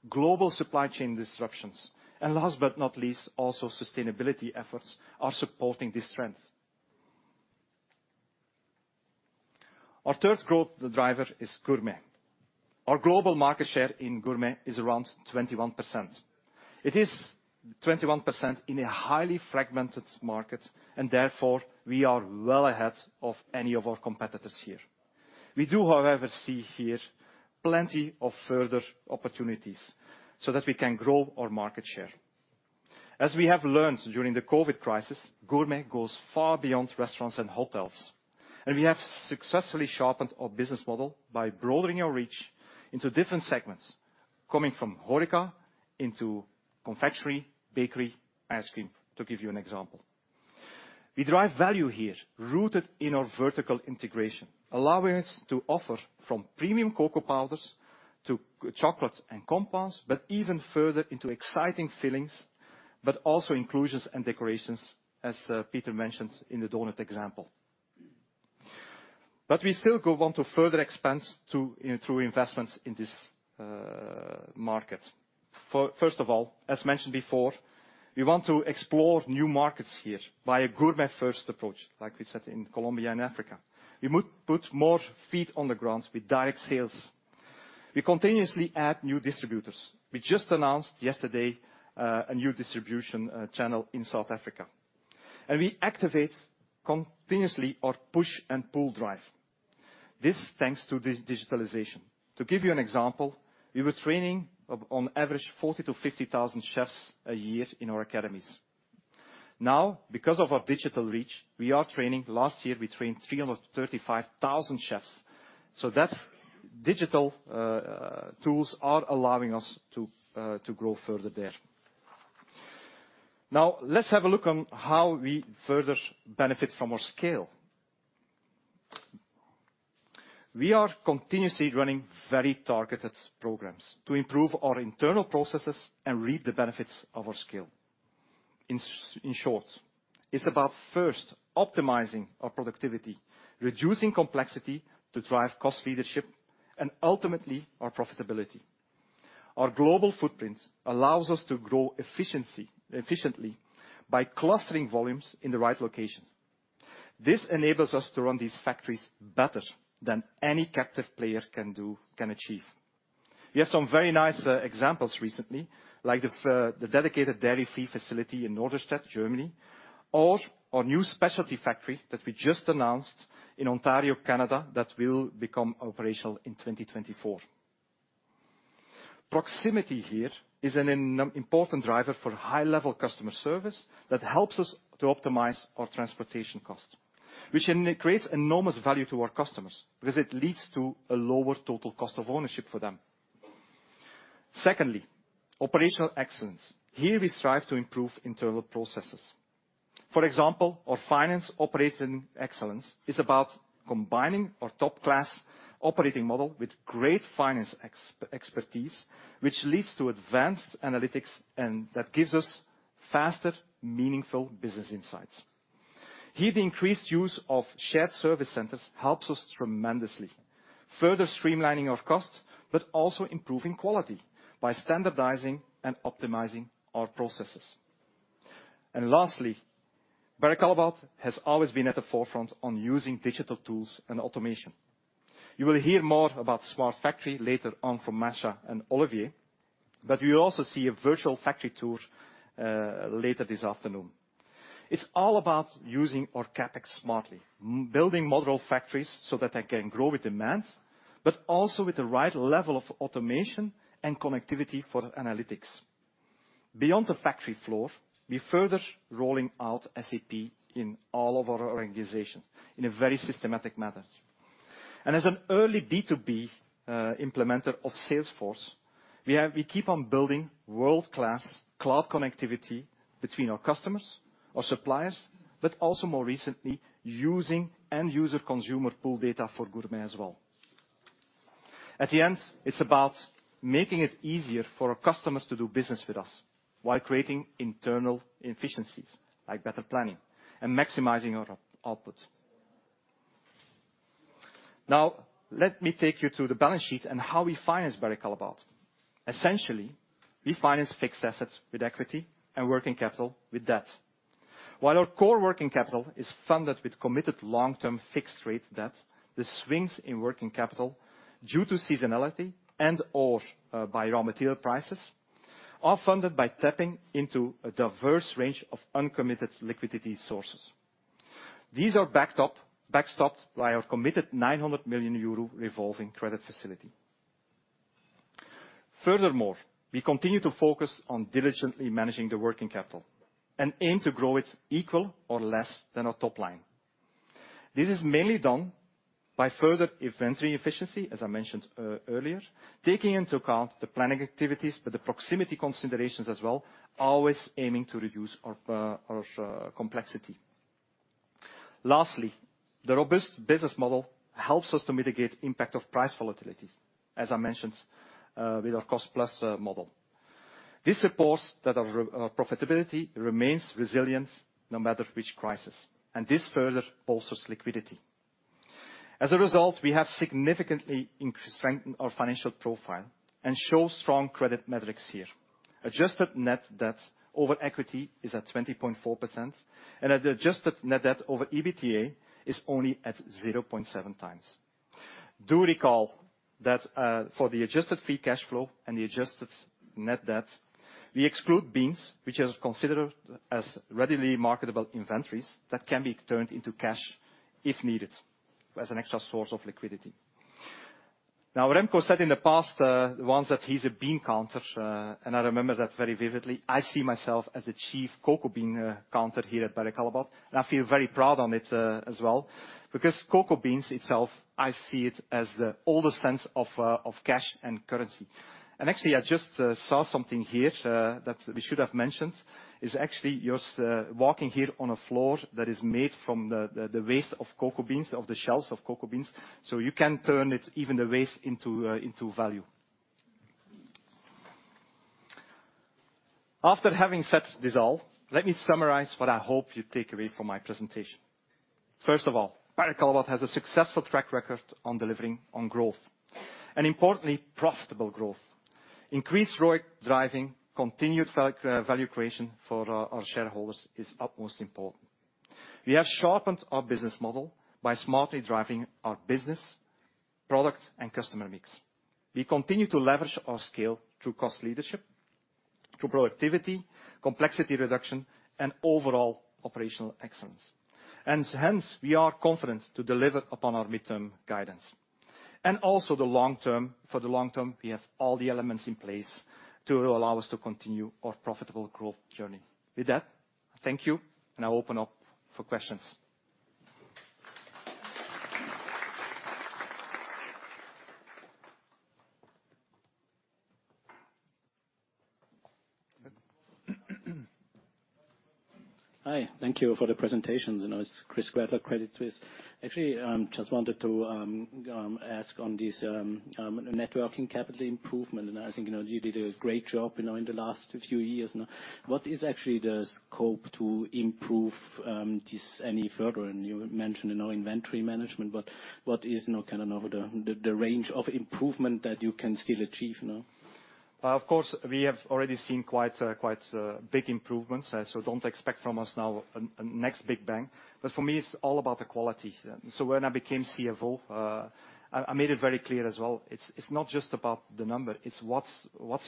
global supply chain disruptions, and last but not least, also sustainability efforts are supporting this trend. Our third growth driver is Gourmet. Our global market share in Gourmet is around 21%. It is 21% in a highly fragmented market, and therefore we are well ahead of any of our competitors here. We do, however, see here plenty of further opportunities so that we can grow our market share. As we have learned during the COVID crisis, Gourmet goes far beyond restaurants and hotels. We have successfully sharpened our business model by broadening our reach into different segments, coming from HORECA into confectionery, bakery, ice cream, to give you an example. We drive value here rooted in our vertical integration, allowing us to offer from premium cocoa powders to chocolates and compounds, but even further into exciting fillings, but also inclusions and decorations, as Peter mentioned in the donut example. We still go on to further expand through investments in this market. First of all, as mentioned before, we want to explore new markets here by a Gourmet first approach, like we said, in Colombia and Africa. We put more feet on the ground with direct sales. We continuously add new distributors. We just announced yesterday a new distribution channel in South Africa. We activate continuously our push and pull drive. This thanks to this digitalization. To give you an example, we were training on average 40,000-50,000 chefs a year in our academies. Now, because of our digital reach, we are training last year, we trained 335,000 chefs. That's digital tools are allowing us to grow further there. Now, let's have a look on how we further benefit from our scale. We are continuously running very targeted programs to improve our internal processes and reap the benefits of our scale. In short, it's about first optimizing our productivity, reducing complexity to drive cost leadership and ultimately our profitability. Our global footprint allows us to grow efficiently by clustering volumes in the right location. This enables us to run these factories better than any captive player can achieve. We have some very nice examples recently, like the dedicated dairy-free facility in Norderstedt, Germany, or our new specialty factory that we just announced in Ontario, Canada, that will become operational in 2024. Proximity here is an important driver for high-level customer service that helps us to optimize our transportation costs, which creates enormous value to our customers because it leads to a lower total cost of ownership for them. Secondly, operational excellence. Here we strive to improve internal processes. For example, our finance operating excellence is about combining our top-class operating model with great finance expertise, which leads to advanced analytics and that gives us faster, meaningful business insights. Here, the increased use of shared service centers helps us tremendously, further streamlining our costs, but also improving quality by standardizing and optimizing our processes. Lastly, Barry Callebaut has always been at the forefront on using digital tools and automation. You will hear more about smart factory later on from Masha and Olivier, but you'll also see a virtual factory tour later this afternoon. It's all about using our CapEx smartly, building modular factories so that they can grow with demand, but also with the right level of automation and connectivity for analytics. Beyond the factory floor, we're further rolling out SAP in all of our organizations in a very systematic manner. As an early B2B implementer of Salesforce, we keep on building world-class cloud connectivity between our customers, our suppliers, but also more recently using end user consumer pool data for Gourmet as well. At the end, it's about making it easier for our customers to do business with us while creating internal efficiencies like better planning and maximizing our output. Now, let me take you through the balance sheet and how we finance Barry Callebaut. Essentially, we finance fixed assets with equity and working capital with debt. While our core working capital is funded with committed long-term fixed rate debt, the swings in working capital due to seasonality and/or by raw material prices are funded by tapping into a diverse range of uncommitted liquidity sources. These are backstopped by our committed 900 million euro revolving credit facility. Furthermore, we continue to focus on diligently managing the working capital and aim to grow it equal or less than our top line. This is mainly done by further inventory efficiency, as I mentioned earlier, taking into account the planning activities, but the proximity considerations as well, always aiming to reduce our complexity. Lastly, the robust business model helps us mitigate the impact of price volatility, as I mentioned, with our cost-plus model. This supports that our profitability remains resilient no matter which crisis, and this further bolsters liquidity. As a result, we have significantly increased, strengthening our financial profile and show strong credit metrics here. Adjusted net debt over equity is at 20.4%, and the adjusted net debt over EBITDA is only at 0.7 times. Do recall that for the adjusted free cash flow and the adjusted net debt, we exclude beans, which is considered as readily marketable inventories that can be turned into cash if needed, as an extra source of liquidity. Now, Remco said in the past once that he's a bean counter, and I remember that very vividly. I see myself as the chief cocoa bean counter here at Barry Callebaut, and I feel very proud on it as well. Because cocoa beans itself, I see it as the oldest sense of of cash and currency. Actually, I just saw something here that we should have mentioned. It's actually you're walking here on a floor that is made from the waste of cocoa beans, of the shells of cocoa beans, so you can turn it, even the waste into value. After having said this all, let me summarize what I hope you take away from my presentation. First of all, Barry Callebaut has a successful track record on delivering on growth, and importantly, profitable growth. Increased ROIC driving continued value creation for our shareholders is utmost important. We have sharpened our business model by smartly driving our business, product, and customer mix. We continue to leverage our scale through cost leadership, through productivity, complexity reduction, and overall operational excellence. Hence, we are confident to deliver upon our midterm guidance. Also the long term, for the long term, we have all the elements in place to allow us to continue our profitable growth journey. With that, thank you, and I'll open up for questions. Hi, thank you for the presentation. You know, it's Chris Tuffey at Credit Suisse. Actually, just wanted to ask on this working capital improvement, and I think, you know, you did a great job, you know, in the last few years. Now, what is actually the scope to improve this any further? You mentioned, you know, inventory management, but what is, you know, kind of now the range of improvement that you can still achieve now? Of course, we have already seen quite big improvements, so don't expect from us now a next big bang. For me, it's all about the quality. When I became CFO, I made it very clear as well, it's not just about the number, it's what's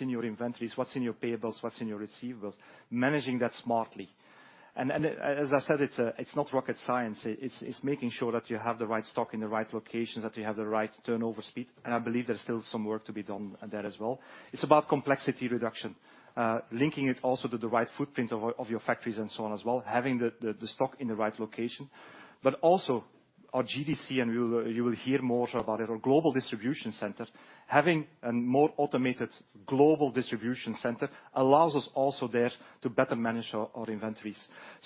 in your inventories, what's in your payables, what's in your receivables. Managing that smartly. As I said, it's not rocket science. It's making sure that you have the right stock in the right locations, that you have the right turnover speed, and I believe there's still some work to be done there as well. It's about complexity reduction. Linking it also to the right footprint of your factories and so on as well, having the stock in the right location. Also our GDC, and you will hear more about it, our global distribution center. Having a more automated global distribution center allows us also there to better manage our inventories.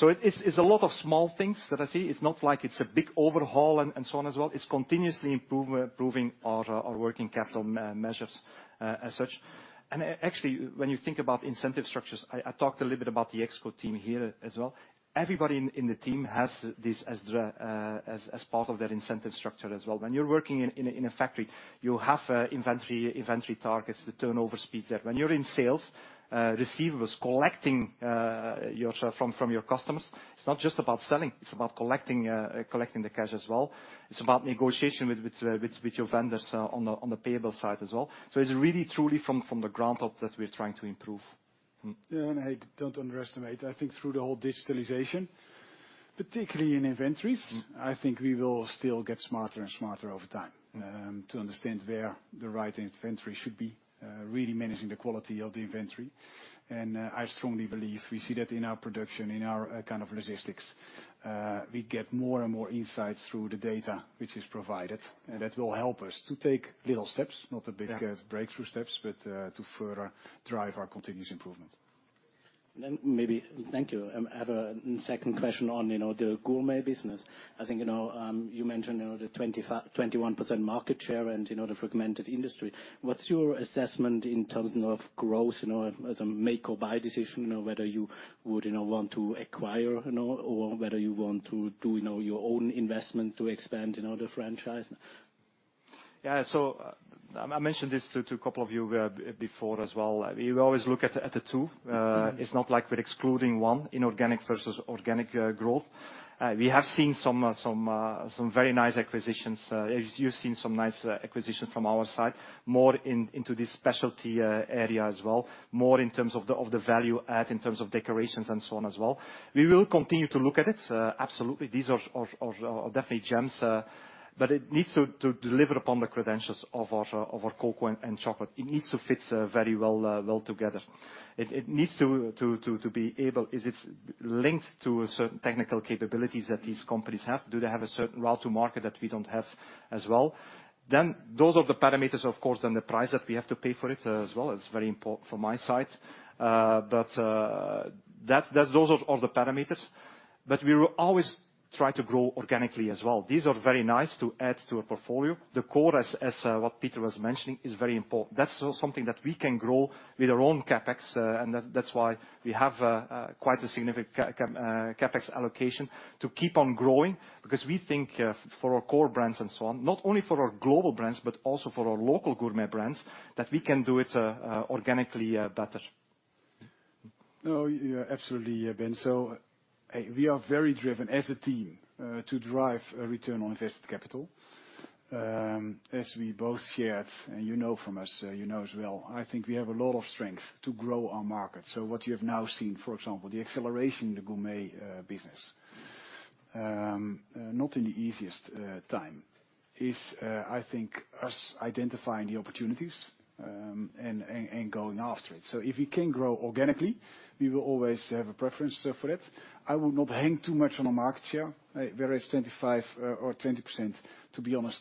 It's a lot of small things that I see. It's not like it's a big overhaul and so on as well. It's continuously improving our working capital measures as such. Actually, when you think about incentive structures, I talked a little bit about the ExCo team here as well. Everybody in the team has this as part of their incentive structure as well. When you're working in a factory, you have inventory targets, the turnover speeds there. When you're in sales, receivables, collecting your. From your customers, it's not just about selling, it's about collecting the cash as well. It's about negotiation with your vendors on the payable side as well. It's really truly from the ground up that we're trying to improve. Yeah, I don't underestimate. I think through the whole digitalization, particularly in inventories. Mm I think we will still get smarter and smarter over time. Mm To understand where the right inventory should be, really managing the quality of the inventory. I strongly believe we see that in our production, in our kind of logistics. We get more and more insights through the data which is provided, and that will help us to take little steps, not a big- Yeah Breakthrough steps, but to further drive our continuous improvement. Thank you. I have a second question on, you know, the Gourmet business. I think, you know, you mentioned, you know, the 21% market share and, you know, the fragmented industry. What's your assessment in terms of growth, you know, as a make or buy decision or whether you would, you know, want to acquire, you know, or whether you want to do, you know, your own investment to expand, you know, the franchise? Yeah. I mentioned this to a couple of you before as well. We always look at the two. It's not like we're excluding one, inorganic versus organic growth. We have seen some very nice acquisitions. As you've seen some nice acquisitions from our side, more into this specialty area as well, more in terms of the value add, in terms of decorations and so on as well. We will continue to look at it. Absolutely. These are definitely gems, but it needs to deliver upon the credentials of our cocoa and chocolate. It needs to fit very well together. It needs to be able. Is it linked to certain technical capabilities that these companies have? Do they have a certain route to market that we don't have as well? Those are the parameters, of course, and the price that we have to pay for it as well is very important from my side. Those are the parameters. We will always try to grow organically as well. These are very nice to add to a portfolio. The core, what Peter was mentioning, is very important. That's something that we can grow with our own CapEx, and that's why we have quite a significant CapEx allocation to keep on growing, because we think for our core brands and so on, not only for our global brands, but also for our local Gourmet brands, that we can do it organically better. No, yeah, absolutely, Ben. We are very driven as a team to drive a return on invested capital. As we both shared, and you know from us, you know as well, I think we have a lot of strength to grow our market. What you have now seen, for example, the acceleration in the Gourmet business, not in the easiest time, is, I think, us identifying the opportunities and going after it. If we can grow organically, we will always have a preference for that. I would not hang too much on a market share, right, whether it's 25 or 20%, to be honest.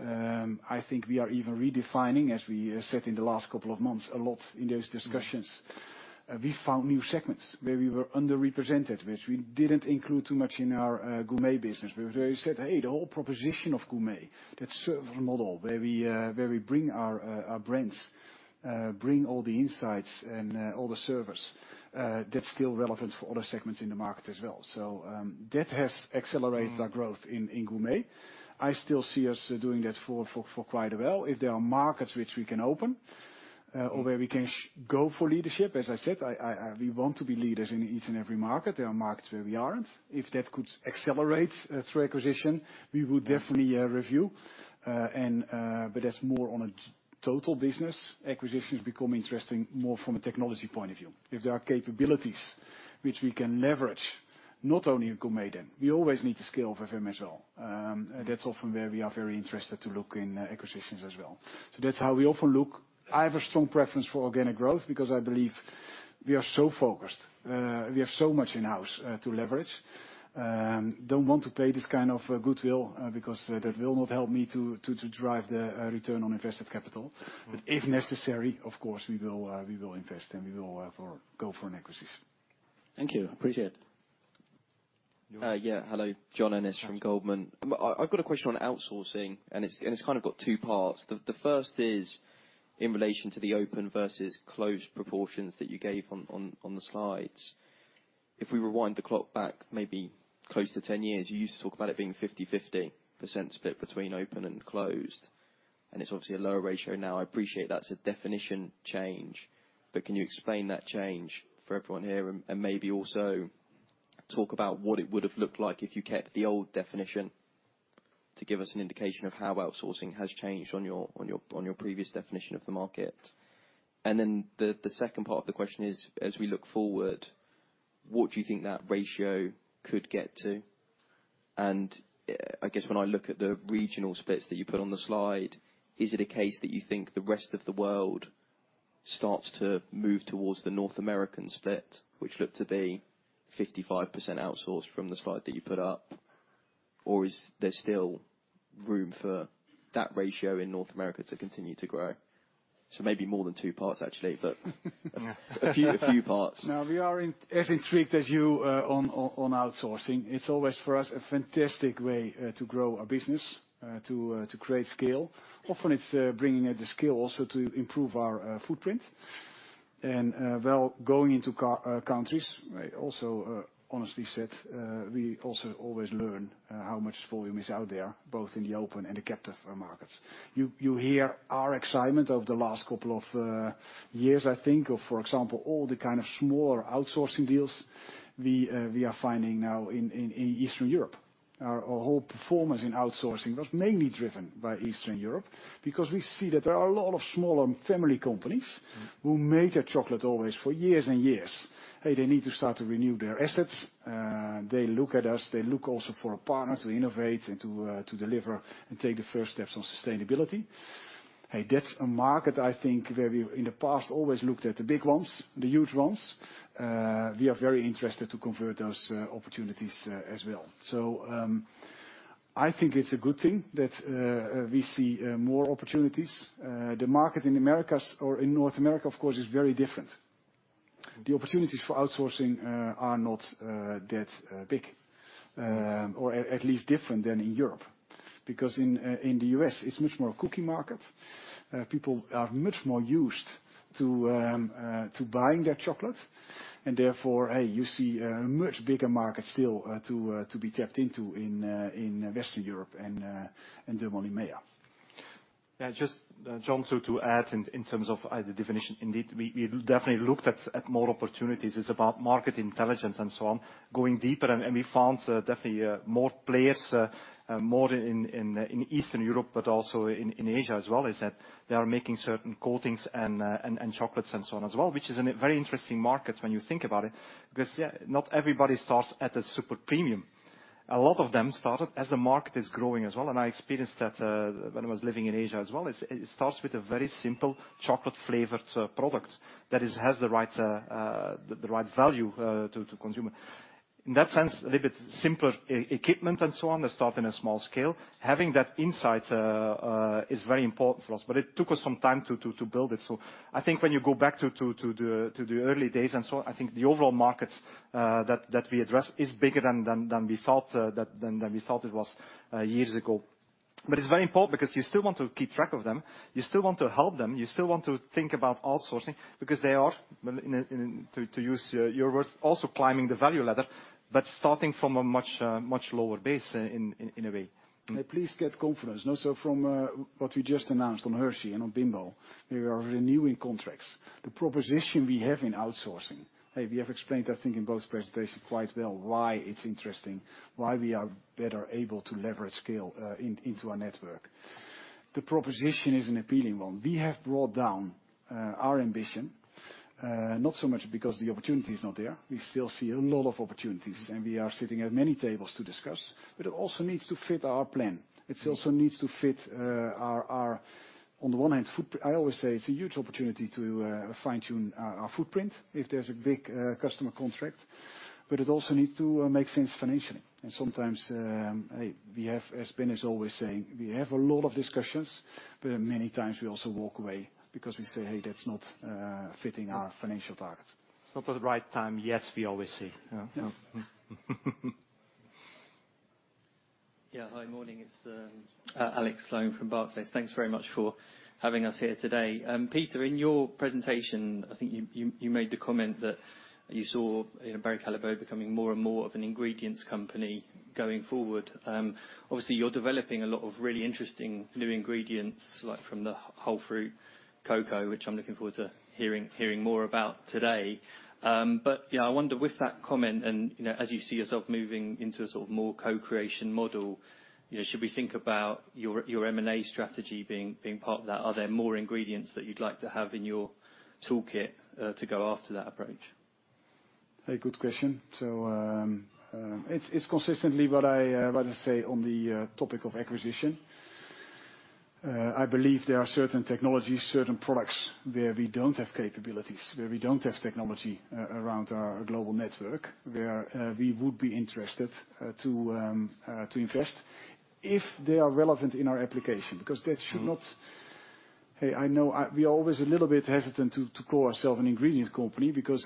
I think we are even redefining, as we said in the last couple of months, a lot in those discussions. We found new segments where we were underrepresented, which we didn't include too much in our Gourmet business. Where we said, "Hey, the whole proposition of Gourmet, that service model where we bring our brands, bring all the insights and all the service, that's still relevant for other segments in the market as well." That has accelerated our growth in Gourmet. I still see us doing that for quite a while. If there are markets which we can open or where we can go for leadership, as I said, we want to be leaders in each and every market. There are markets where we aren't. If that could accelerate through acquisition, we would definitely review. That's more on a total business. Acquisitions become interesting more from a technology point of view. If there are capabilities which we can leverage, not only in Gourmet then, we always need to scale over them as well. That's often where we are very interested to look in acquisitions as well. That's how we often look. I have a strong preference for organic growth because I believe we are so focused, we have so much in-house, to leverage. Don't want to pay this kind of goodwill because that will not help me to drive the return on invested capital. If necessary, of course, we will invest, and we will go for an acquisition. Thank you. Appreciate it. John? Yeah. Hello. John Ennis from Goldman Sachs. I've got a question on outsourcing, and it's kind of got two parts. The first is in relation to the open versus closed proportions that you gave on the slides. If we rewind the clock back maybe close to 10 years, you used to talk about it being 50/50% split between open and closed, and it's obviously a lower ratio now. I appreciate that's a definition change, but can you explain that change for everyone here and maybe also talk about what it would have looked like if you kept the old definition to give us an indication of how outsourcing has changed on your previous definition of the market? The second part of the question is, as we look forward, what do you think that ratio could get to? I guess when I look at the regional splits that you put on the slide, is it a case that you think the rest of the world starts to move towards the North American split, which looked to be 55% outsourced from the slide that you put up? Is there still room for that ratio in North America to continue to grow? Maybe more than two parts, actually, but a few parts. No, we are as intrigued as you on outsourcing. It's always, for us, a fantastic way to grow our business to create scale. Often it's bringing the scale also to improve our footprint. Going into countries, also honestly said, we also always learn how much volume is out there, both in the open and the captive markets. You hear our excitement over the last couple of years, I think, for example, all the kind of smaller outsourcing deals we are finding now in Eastern Europe. Our whole performance in outsourcing was mainly driven by Eastern Europe because we see that there are a lot of smaller family companies who make their chocolate always for years and years. They need to start to renew their assets. They look at us, they look also for a partner to innovate and to deliver and take the first steps on sustainability. That's a market, I think, where we, in the past, always looked at the big ones, the huge ones. We are very interested to convert those opportunities as well. I think it's a good thing that we see more opportunities. The market in Americas or in North America, of course, is very different. The opportunities for outsourcing are not that big, or at least different than in Europe. In the US, it's much more a cookie market. People are much more used to buying their chocolate, and therefore, hey, you see a much bigger market still to be tapped into in Western Europe and the Middle East. Yeah. Just, John, so to add in terms of the definition, indeed, we definitely looked at more opportunities. It's about market intelligence and so on. Going deeper, we found definitely more players, more in Eastern Europe, but also in Asia as well, it's that they are making certain coatings and chocolates and so on as well, which is a very interesting market when you think about it. Because, yeah, not everybody starts at a super premium. A lot of them started as the market is growing as well, and I experienced that when I was living in Asia as well. It starts with a very simple chocolate-flavored product that has the right value to consumer. In that sense, a little bit simpler equipment and so on, they start on a small scale. Having that insight is very important for us, but it took us some time to build it. I think when you go back to the early days and so on, I think the overall markets that we address is bigger than we thought it was years ago. It's very important because you still want to keep track of them, you still want to help them, you still want to think about outsourcing because they are, to use your words, also climbing the value ladder, but starting from a much lower base in a way. Please get confidence. You know, from what we just announced on Hershey and on Bimbo, we are renewing contracts. The proposition we have in outsourcing. We have explained, I think, in both presentations quite well why it's interesting, why we are better able to leverage scale into our network. The proposition is an appealing one. We have brought down our ambition, not so much because the opportunity is not there. We still see a lot of opportunities, and we are sitting at many tables to discuss, but it also needs to fit our plan. It also needs to fit our footprint on the one hand. I always say it's a huge opportunity to fine-tune our footprint if there's a big customer contract, but it also need to make sense financially. Sometimes, hey, we have, as Ben is always saying, we have a lot of discussions, but many times we also walk away because we say, "Hey, that's not fitting our financial target. It's not the right time yet, we always say. Yeah. Yeah. Hi. Morning. It's Alex Sloane from Barclays. Thanks very much for having us here today. Peter, in your presentation, I think you made the comment that you saw, you know, Barry Callebaut becoming more and more of an ingredients company going forward. Obviously, you're developing a lot of really interesting new ingredients, like from the WholeFruit chocolate, which I'm looking forward to hearing more about today. I wonder with that comment and, you know, as you see yourself moving into a sort of more co-creation model, you know, should we think about your M&A strategy being part of that? Are there more ingredients that you'd like to have in your toolkit to go after that approach? A good question. It's consistently what I say on the topic of acquisition. I believe there are certain technologies, certain products where we don't have capabilities, where we don't have technology around our global network, where we would be interested to invest if they are relevant in our application. Because that should not. Hey, we're always a little bit hesitant to call ourselves an ingredients company because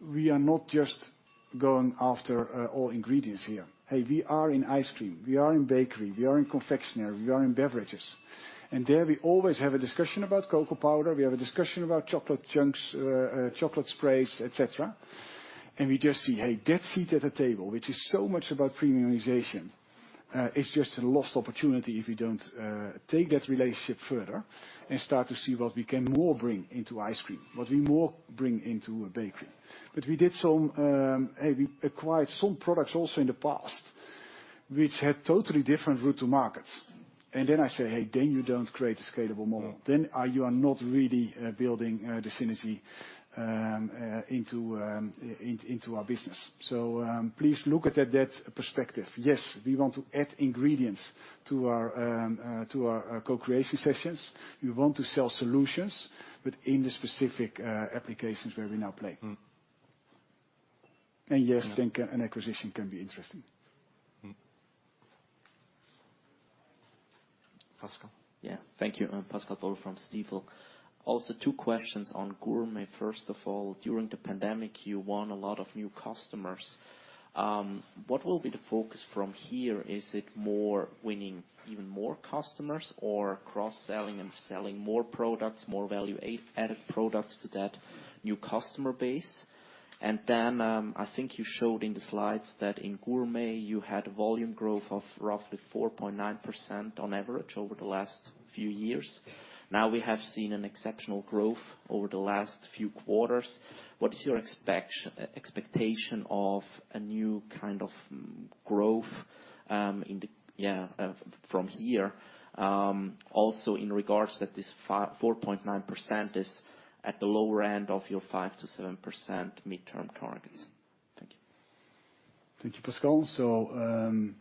we are not just going after all ingredients here. Hey, we are in ice cream, we are in bakery, we are in confectionery, we are in beverages. There, we always have a discussion about cocoa powder, we have a discussion about chocolate chunks, chocolate sprays, et cetera. We just see, hey, that seat at the table, which is so much about premiumization, it's just a lost opportunity if we don't take that relationship further and start to see what we can more bring into ice cream, what we more bring into a bakery. We did some, we acquired some products also in the past which had totally different routes to market. Then I say, "Hey, then you don't create a scalable model. Then, you are not really building the synergy into our business." Please look at that perspective. Yes, we want to add ingredients to our co-creation sessions. We want to sell solutions, but in the specific applications where we now play. Mm. Yes, I think an acquisition can be interesting. Mm. Pascal. Yeah. Thank you. I'm Pascal Boll from Stifel. Also, two questions on Gourmet. First of all, during the pandemic, you won a lot of new customers. What will be the focus from here? Is it more winning even more customers or cross-selling and selling more products, more value-added products to that new customer base? I think you showed in the slides that in Gourmet, you had volume growth of roughly 4.9% on average over the last few years. Now, we have seen an exceptional growth over the last few quarters. What is your expectation of a new kind of growth from here? Also in regards that this 4.9% is at the lower end of your 5%-7% midterm targets. Thank you. Thank you, Pascal.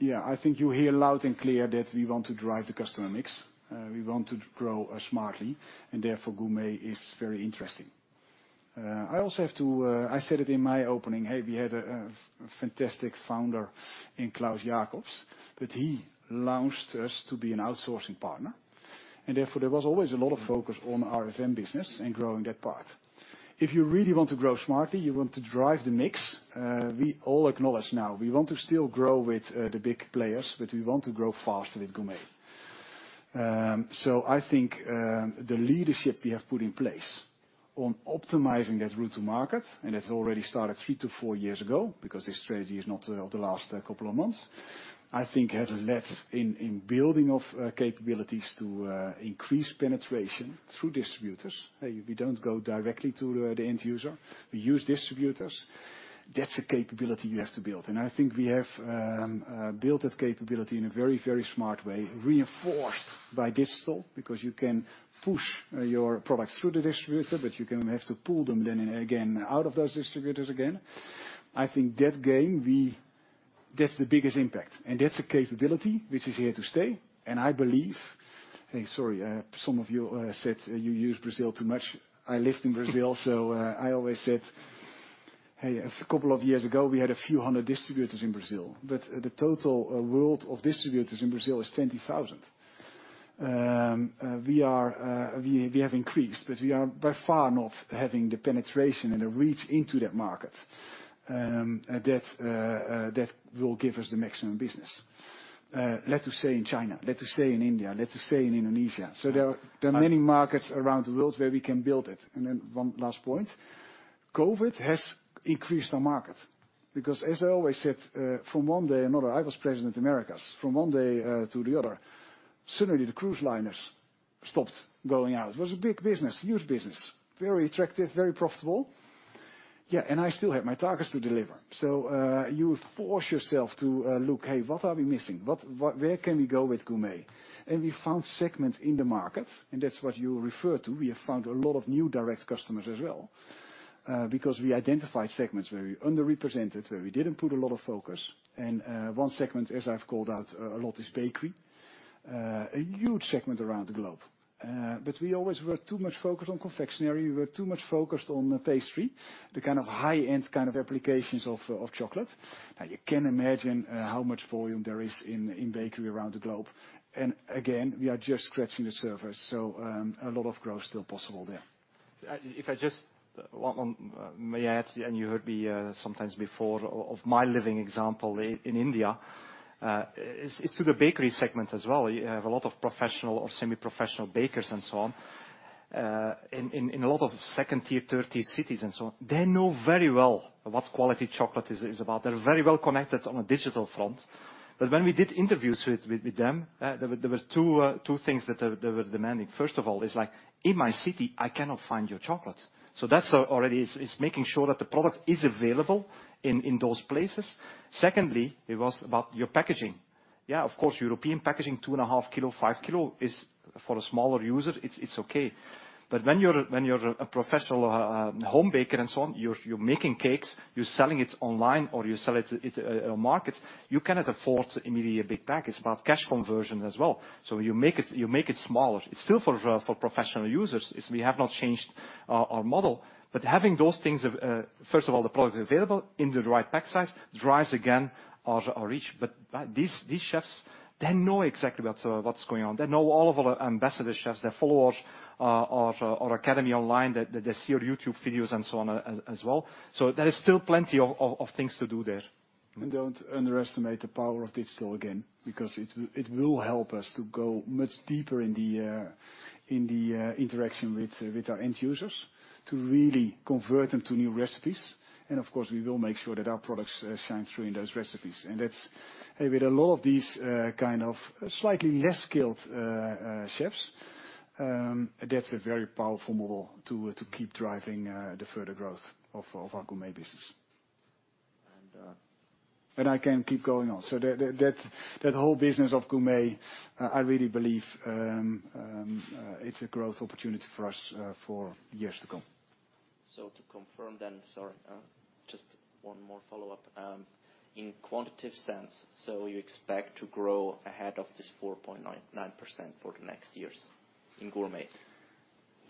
Yeah, I think you hear loud and clear that we want to drive the customer mix. We want to grow smartly, and therefore Gourmet is very interesting. I also have to, I said it in my opening, hey, we had a fantastic founder in Klaus Jacobs, that he launched us to be an outsourcing partner. Therefore, there was always a lot of focus on our FM business and growing that part. If you really want to grow smartly, you want to drive the mix, we all acknowledge now, we want to still grow with the big players, but we want to grow faster with Gourmet. I think the leadership we have put in place on optimizing that route to market, and that already started 3-4 years ago, because this strategy is not the last couple of months, I think has led in building of capabilities to increase penetration through distributors. Hey, we don't go directly to the end user. We use distributors. That's a capability you have to build. I think we have built that capability in a very, very smart way, reinforced by digital, because you can push your products through the distributor, but you have to pull them then again out of those distributors again. I think that's the game. That's the biggest impact, and that's a capability which is here to stay. I believe. Hey, sorry, some of you said you use Brazil too much. I lived in Brazil, so I always said, hey, a couple of years ago, we had a few hundred distributors in Brazil, but the total world of distributors in Brazil is 20,000. We have increased, but we are by far not having the penetration and the reach into that market that will give us the maximum business. Let's say in China, let's say in India, let's say in Indonesia. There are many markets around the world where we can build it. One last point. COVID has increased our market because as I always said, from one day to another, I was President Americas. From one day to the other, suddenly the cruise liners stopped going out. It was a big business, huge business. Very attractive, very profitable. Yeah, I still have my targets to deliver. You force yourself to look, hey, what are we missing? What are we missing? Where can we go with Gourmet? We found segments in the market, and that's what you refer to. We have found a lot of new direct customers as well, because we identified segments where we underrepresented, where we didn't put a lot of focus. One segment, as I've called out a lot, is bakery. A huge segment around the globe. We always were too much focused on confectionery. We were too much focused on pastry, the kind of high-end kind of applications of chocolate. Now, you can imagine how much volume there is in bakery around the globe. Again, we are just scratching the surface. A lot of growth still possible there. If I just want to add, you heard me some time before, my living example in India is to the bakery segment as well. You have a lot of professional or semi-professional bakers and so on in a lot of second-tier, third-tier cities and so on. They know very well what quality chocolate is about. They're very well connected on a digital front. When we did interviews with them, there were two things that they were demanding. First of all, it's like, "In my city, I cannot find your chocolate." That's already making sure that the product is available in those places. Secondly, it was about your packaging. Yeah, of course, European packaging, 2.5 kilo, 5 kilo is for a smaller user, it's okay. When you're a professional home baker and so on, you're making cakes, you're selling it online, or you sell it in markets, you cannot afford immediately a big pack. It's about cash conversion as well. You make it smaller. It's still for professional users. It's, we have not changed our model. Having those things, first of all, the product available in the right pack size drives again our reach. These chefs, they know exactly what's going on. They know all of our ambassador chefs. They follow our academy online. They see our YouTube videos and so on as well. There is still plenty of things to do there. Don't underestimate the power of digital again, because it will help us to go much deeper in the interaction with our end users to really convert them to new recipes. Of course, we will make sure that our products shine through in those recipes. That's with a lot of these kind of slightly less skilled chefs, that's a very powerful model to keep driving the further growth of our Gourmet business. I can keep going on. That whole business of Gourmet, I really believe, it's a growth opportunity for us for years to come. To confirm then, sorry, just one more follow-up. In quantitative sense, you expect to grow ahead of this 4.99% for the next years in Gourmet?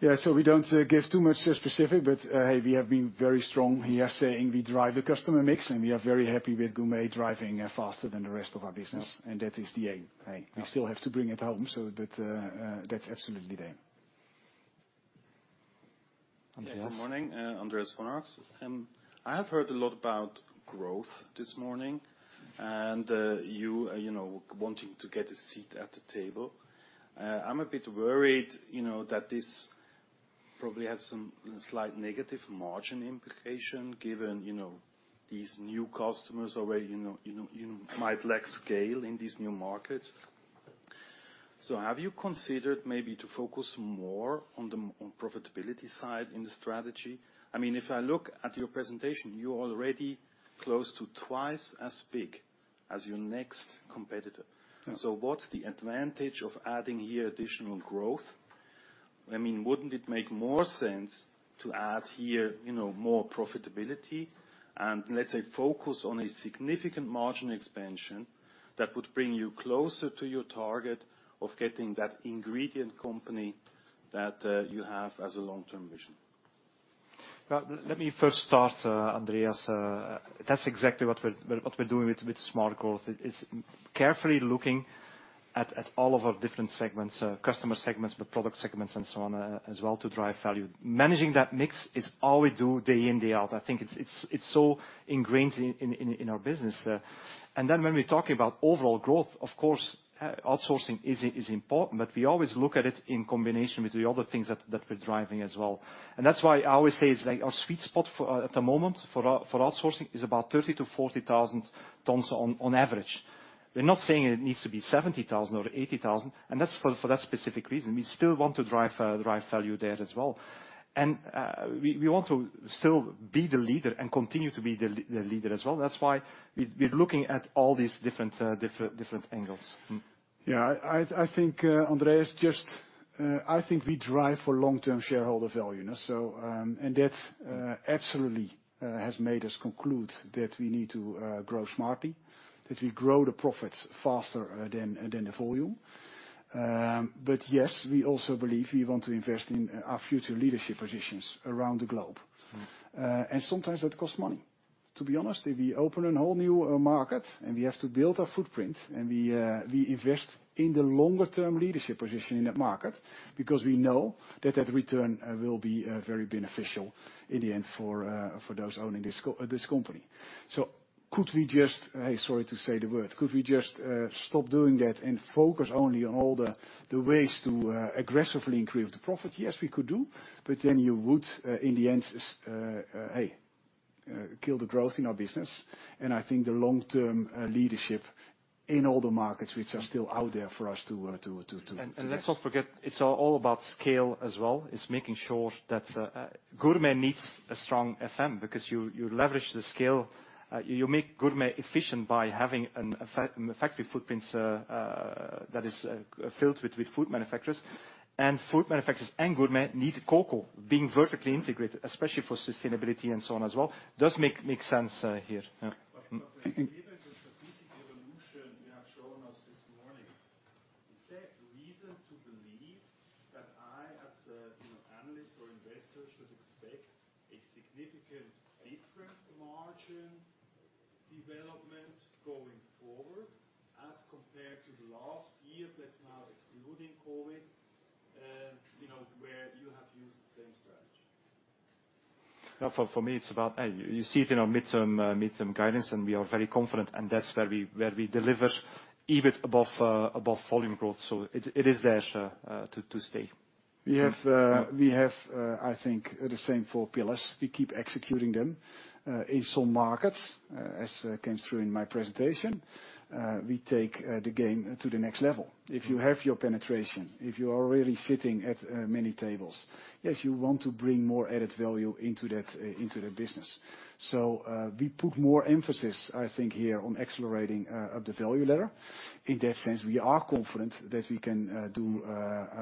We don't give too much specifics, but we have been very strong here saying we drive the customer mix, and we are very happy with Gourmet driving faster than the rest of our business. Yeah. That is the aim. We still have to bring it home. That's absolutely the aim. Andreas? Yeah. Good morning, Andreas von Arx. I have heard a lot about growth this morning and you know wanting to get a seat at the table. I'm a bit worried, you know, that this probably has some slight negative margin implication, given you know these new customers already you know might lack scale in these new markets. Have you considered maybe to focus more on the profitability side in the strategy? I mean, if I look at your presentation, you're already close to twice as big as your next competitor. Yeah. What's the advantage of adding here additional growth? I mean, wouldn't it make more sense to add here, you know, more profitability and let's say focus on a significant margin expansion that would bring you closer to your target of getting that ingredient company that you have as a long-term vision? Well, let me first start, Andreas, that's exactly what we're doing with smart growth. It is carefully looking at all of our different segments, customer segments, the product segments and so on, as well to drive value. Managing that mix is all we do day in, day out. I think it's so ingrained in our business. Then when we talk about overall growth, of course, outsourcing is important, but we always look at it in combination with the other things that we're driving as well. That's why I always say it's like our sweet spot at the moment for outsourcing is about 30,000-40,000 tons on average. We're not saying it needs to be 70,000 or 80,000, and that's for that specific reason. We still want to drive value there as well. We want to still be the leader and continue to be the leader as well. That's why we're looking at all these different angles. Yeah. I think, Andreas, just, I think we drive for long-term shareholder value. That absolutely has made us conclude that we need to grow smartly, that we grow the profits faster than the volume. Yes, we also believe we want to invest in our future leadership positions around the globe. Mm-hmm. Sometimes that costs money. To be honest, if we open a whole new market, and we have to build our footprint, and we invest in the longer-term leadership position in that market because we know that return will be very beneficial in the end for those owning this company. Could we just, sorry to say the word, could we just stop doing that and focus only on all the ways to aggressively increase the profit? Yes, we could do, but then you would in the end kill the growth in our business. I think the long-term leadership in all the markets which are still out there for us to Let's not forget, it's all about scale as well. It's making sure that, Gourmet needs a strong FM because you leverage the scale. You make Gourmet efficient by having a factory footprints that is filled with food manufacturers. Food manufacturers and Gourmet need cocoa being vertically integrated, especially for sustainability and so on as well. It does make sense here. Yeah. Mm-hmm. Given the strategic evolution you have shown us this morning, is there reason to believe that I, as a, an analyst or investor, should expect a significant different margin development going forward as compared to the last years, that's now excluding COVID, you know, where you have used the same strategy? For me, it's about. You see it in our midterm guidance, and we are very confident, and that's where we deliver EBIT above volume growth. It is there to stay. We have, I think, the same four pillars. We keep executing them. In some markets, as came through in my presentation, we take the game to the next level. If you have your penetration, if you are really sitting at many tables, yes, you want to bring more added value into that, into the business. We put more emphasis, I think here, on accelerating the value ladder. In that sense, we are confident that we can do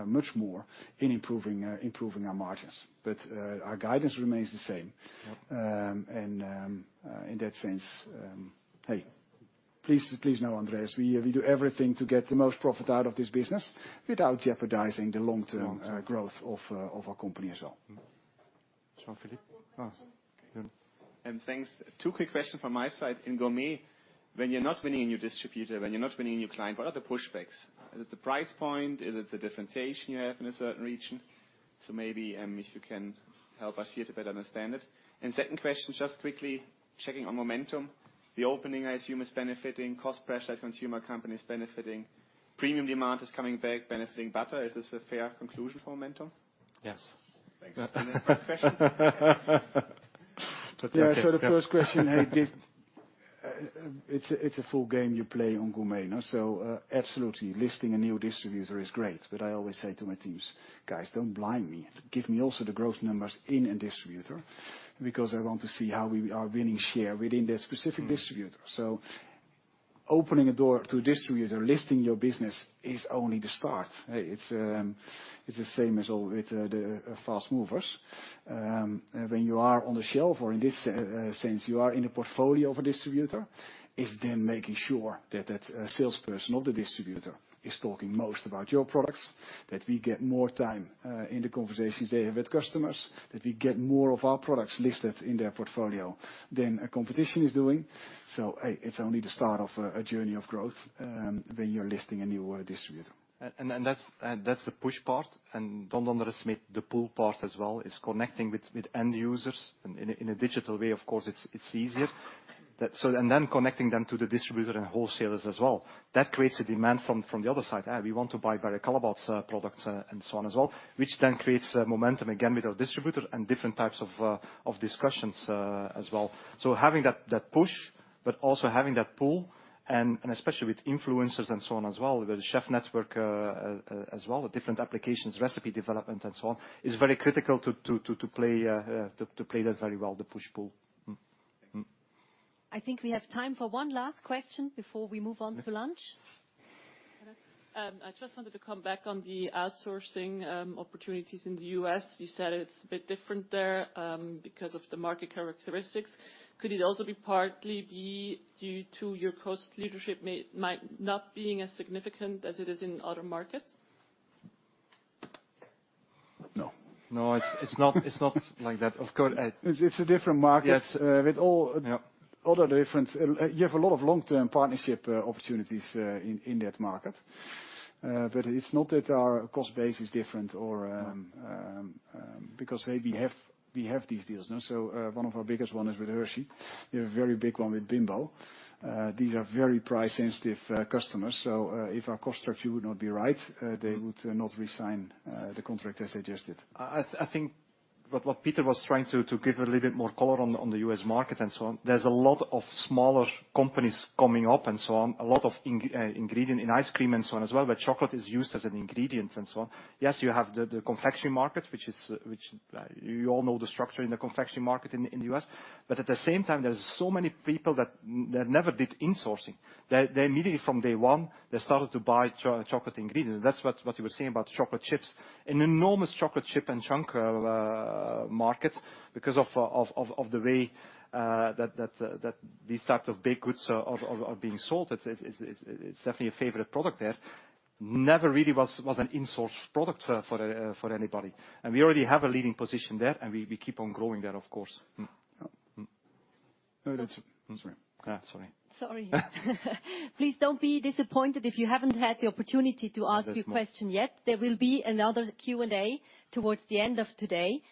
much more in improving our margins. Our guidance remains the same. Yep. In that sense, hey, please know, Andreas, we do everything to get the most profit out of this business without jeopardizing the long-term. Long-term... growth of our company as well. Jean-Philippe? Thanks. Two quick questions from my side. In Gourmet, when you're not winning a new distributor, when you're not winning a new client, what are the pushbacks? Is it the price point? Is it the differentiation you have in a certain region? Maybe, if you can help us here to better understand it. Second question, just quickly checking on momentum. The opening item is benefiting. Cost pressure at consumer company is benefiting. Premium demand is coming back, benefiting butter. Is this a fair conclusion for momentum? Yes. Thanks. Next question. The first question, it's a full game you play on Gourmet, no? Absolutely. Listing a new distributor is great. I always say to my teams, "Guys, don't blind me. Give me also the growth numbers in a distributor, because I want to see how we are winning share within that specific distributor." Opening a door to a distributor, listing your business is only the start. It's the same as all with the fast movers. When you are on the shelf, or in this sense, you are in a portfolio of a distributor, it's then making sure that that salesperson of the distributor is talking most about your products, that we get more time in the conversations they have with customers, that we get more of our products listed in their portfolio than the competition is doing. Hey, it's only the start of a journey of growth, when you're listing a new distributor. That's the push part. Don't underestimate the pull part as well. It's connecting with end users. In a digital way, of course, it's easier. Connecting them to the distributor and wholesalers as well. That creates a demand from the other side. "Hey, we want to buy Barry Callebaut's products and so on as well," which then creates momentum again with our distributor and different types of discussions as well. Having that push, but also having that pull, and especially with influencers and so on as well, with Chef Network as well, with different applications, recipe development and so on, is very critical to play that very well, the push-pull. Mm-hmm. Thank you. I think we have time for one last question before we move on to lunch. I just wanted to come back on the outsourcing opportunities in the U.S. You said it's a bit different there because of the market characteristics. Could it also partly be due to your cost leadership might not being as significant as it is in other markets? No. No, it's not like that. Of course. It's a different market. Yes With all other difference. You have a lot of long-term partnership opportunities in that market. It's not that our cost base is different or because we have these deals. One of our biggest one is with Hershey. We have a very big one with Bimbo. These are very price sensitive customers. If our cost structure would not be right, they would not resign the contract as they just did. I think what Peter was trying to give a little bit more color on the U.S. market and so on. There's a lot of smaller companies coming up and so on, a lot of ingredient in ice cream and so on as well, where chocolate is used as an ingredient and so on. Yes, you have the confection market, which you all know the structure in the confection market in the US. At the same time, there's so many people that never did insourcing. They immediately from day one, they started to buy chocolate ingredients. That's what you were saying about chocolate chips. An enormous chocolate chip and chunk market because of the way that these type of baked goods are being sold. It's definitely a favorite product there. Never really was an insourced product for anybody. We already have a leading position there, and we keep on growing there, of course. Mm-hmm. That's it. I'm sorry. Sorry. Sorry. Please don't be disappointed if you haven't had the opportunity to ask your question yet. There will be another Q&A towards the end of today.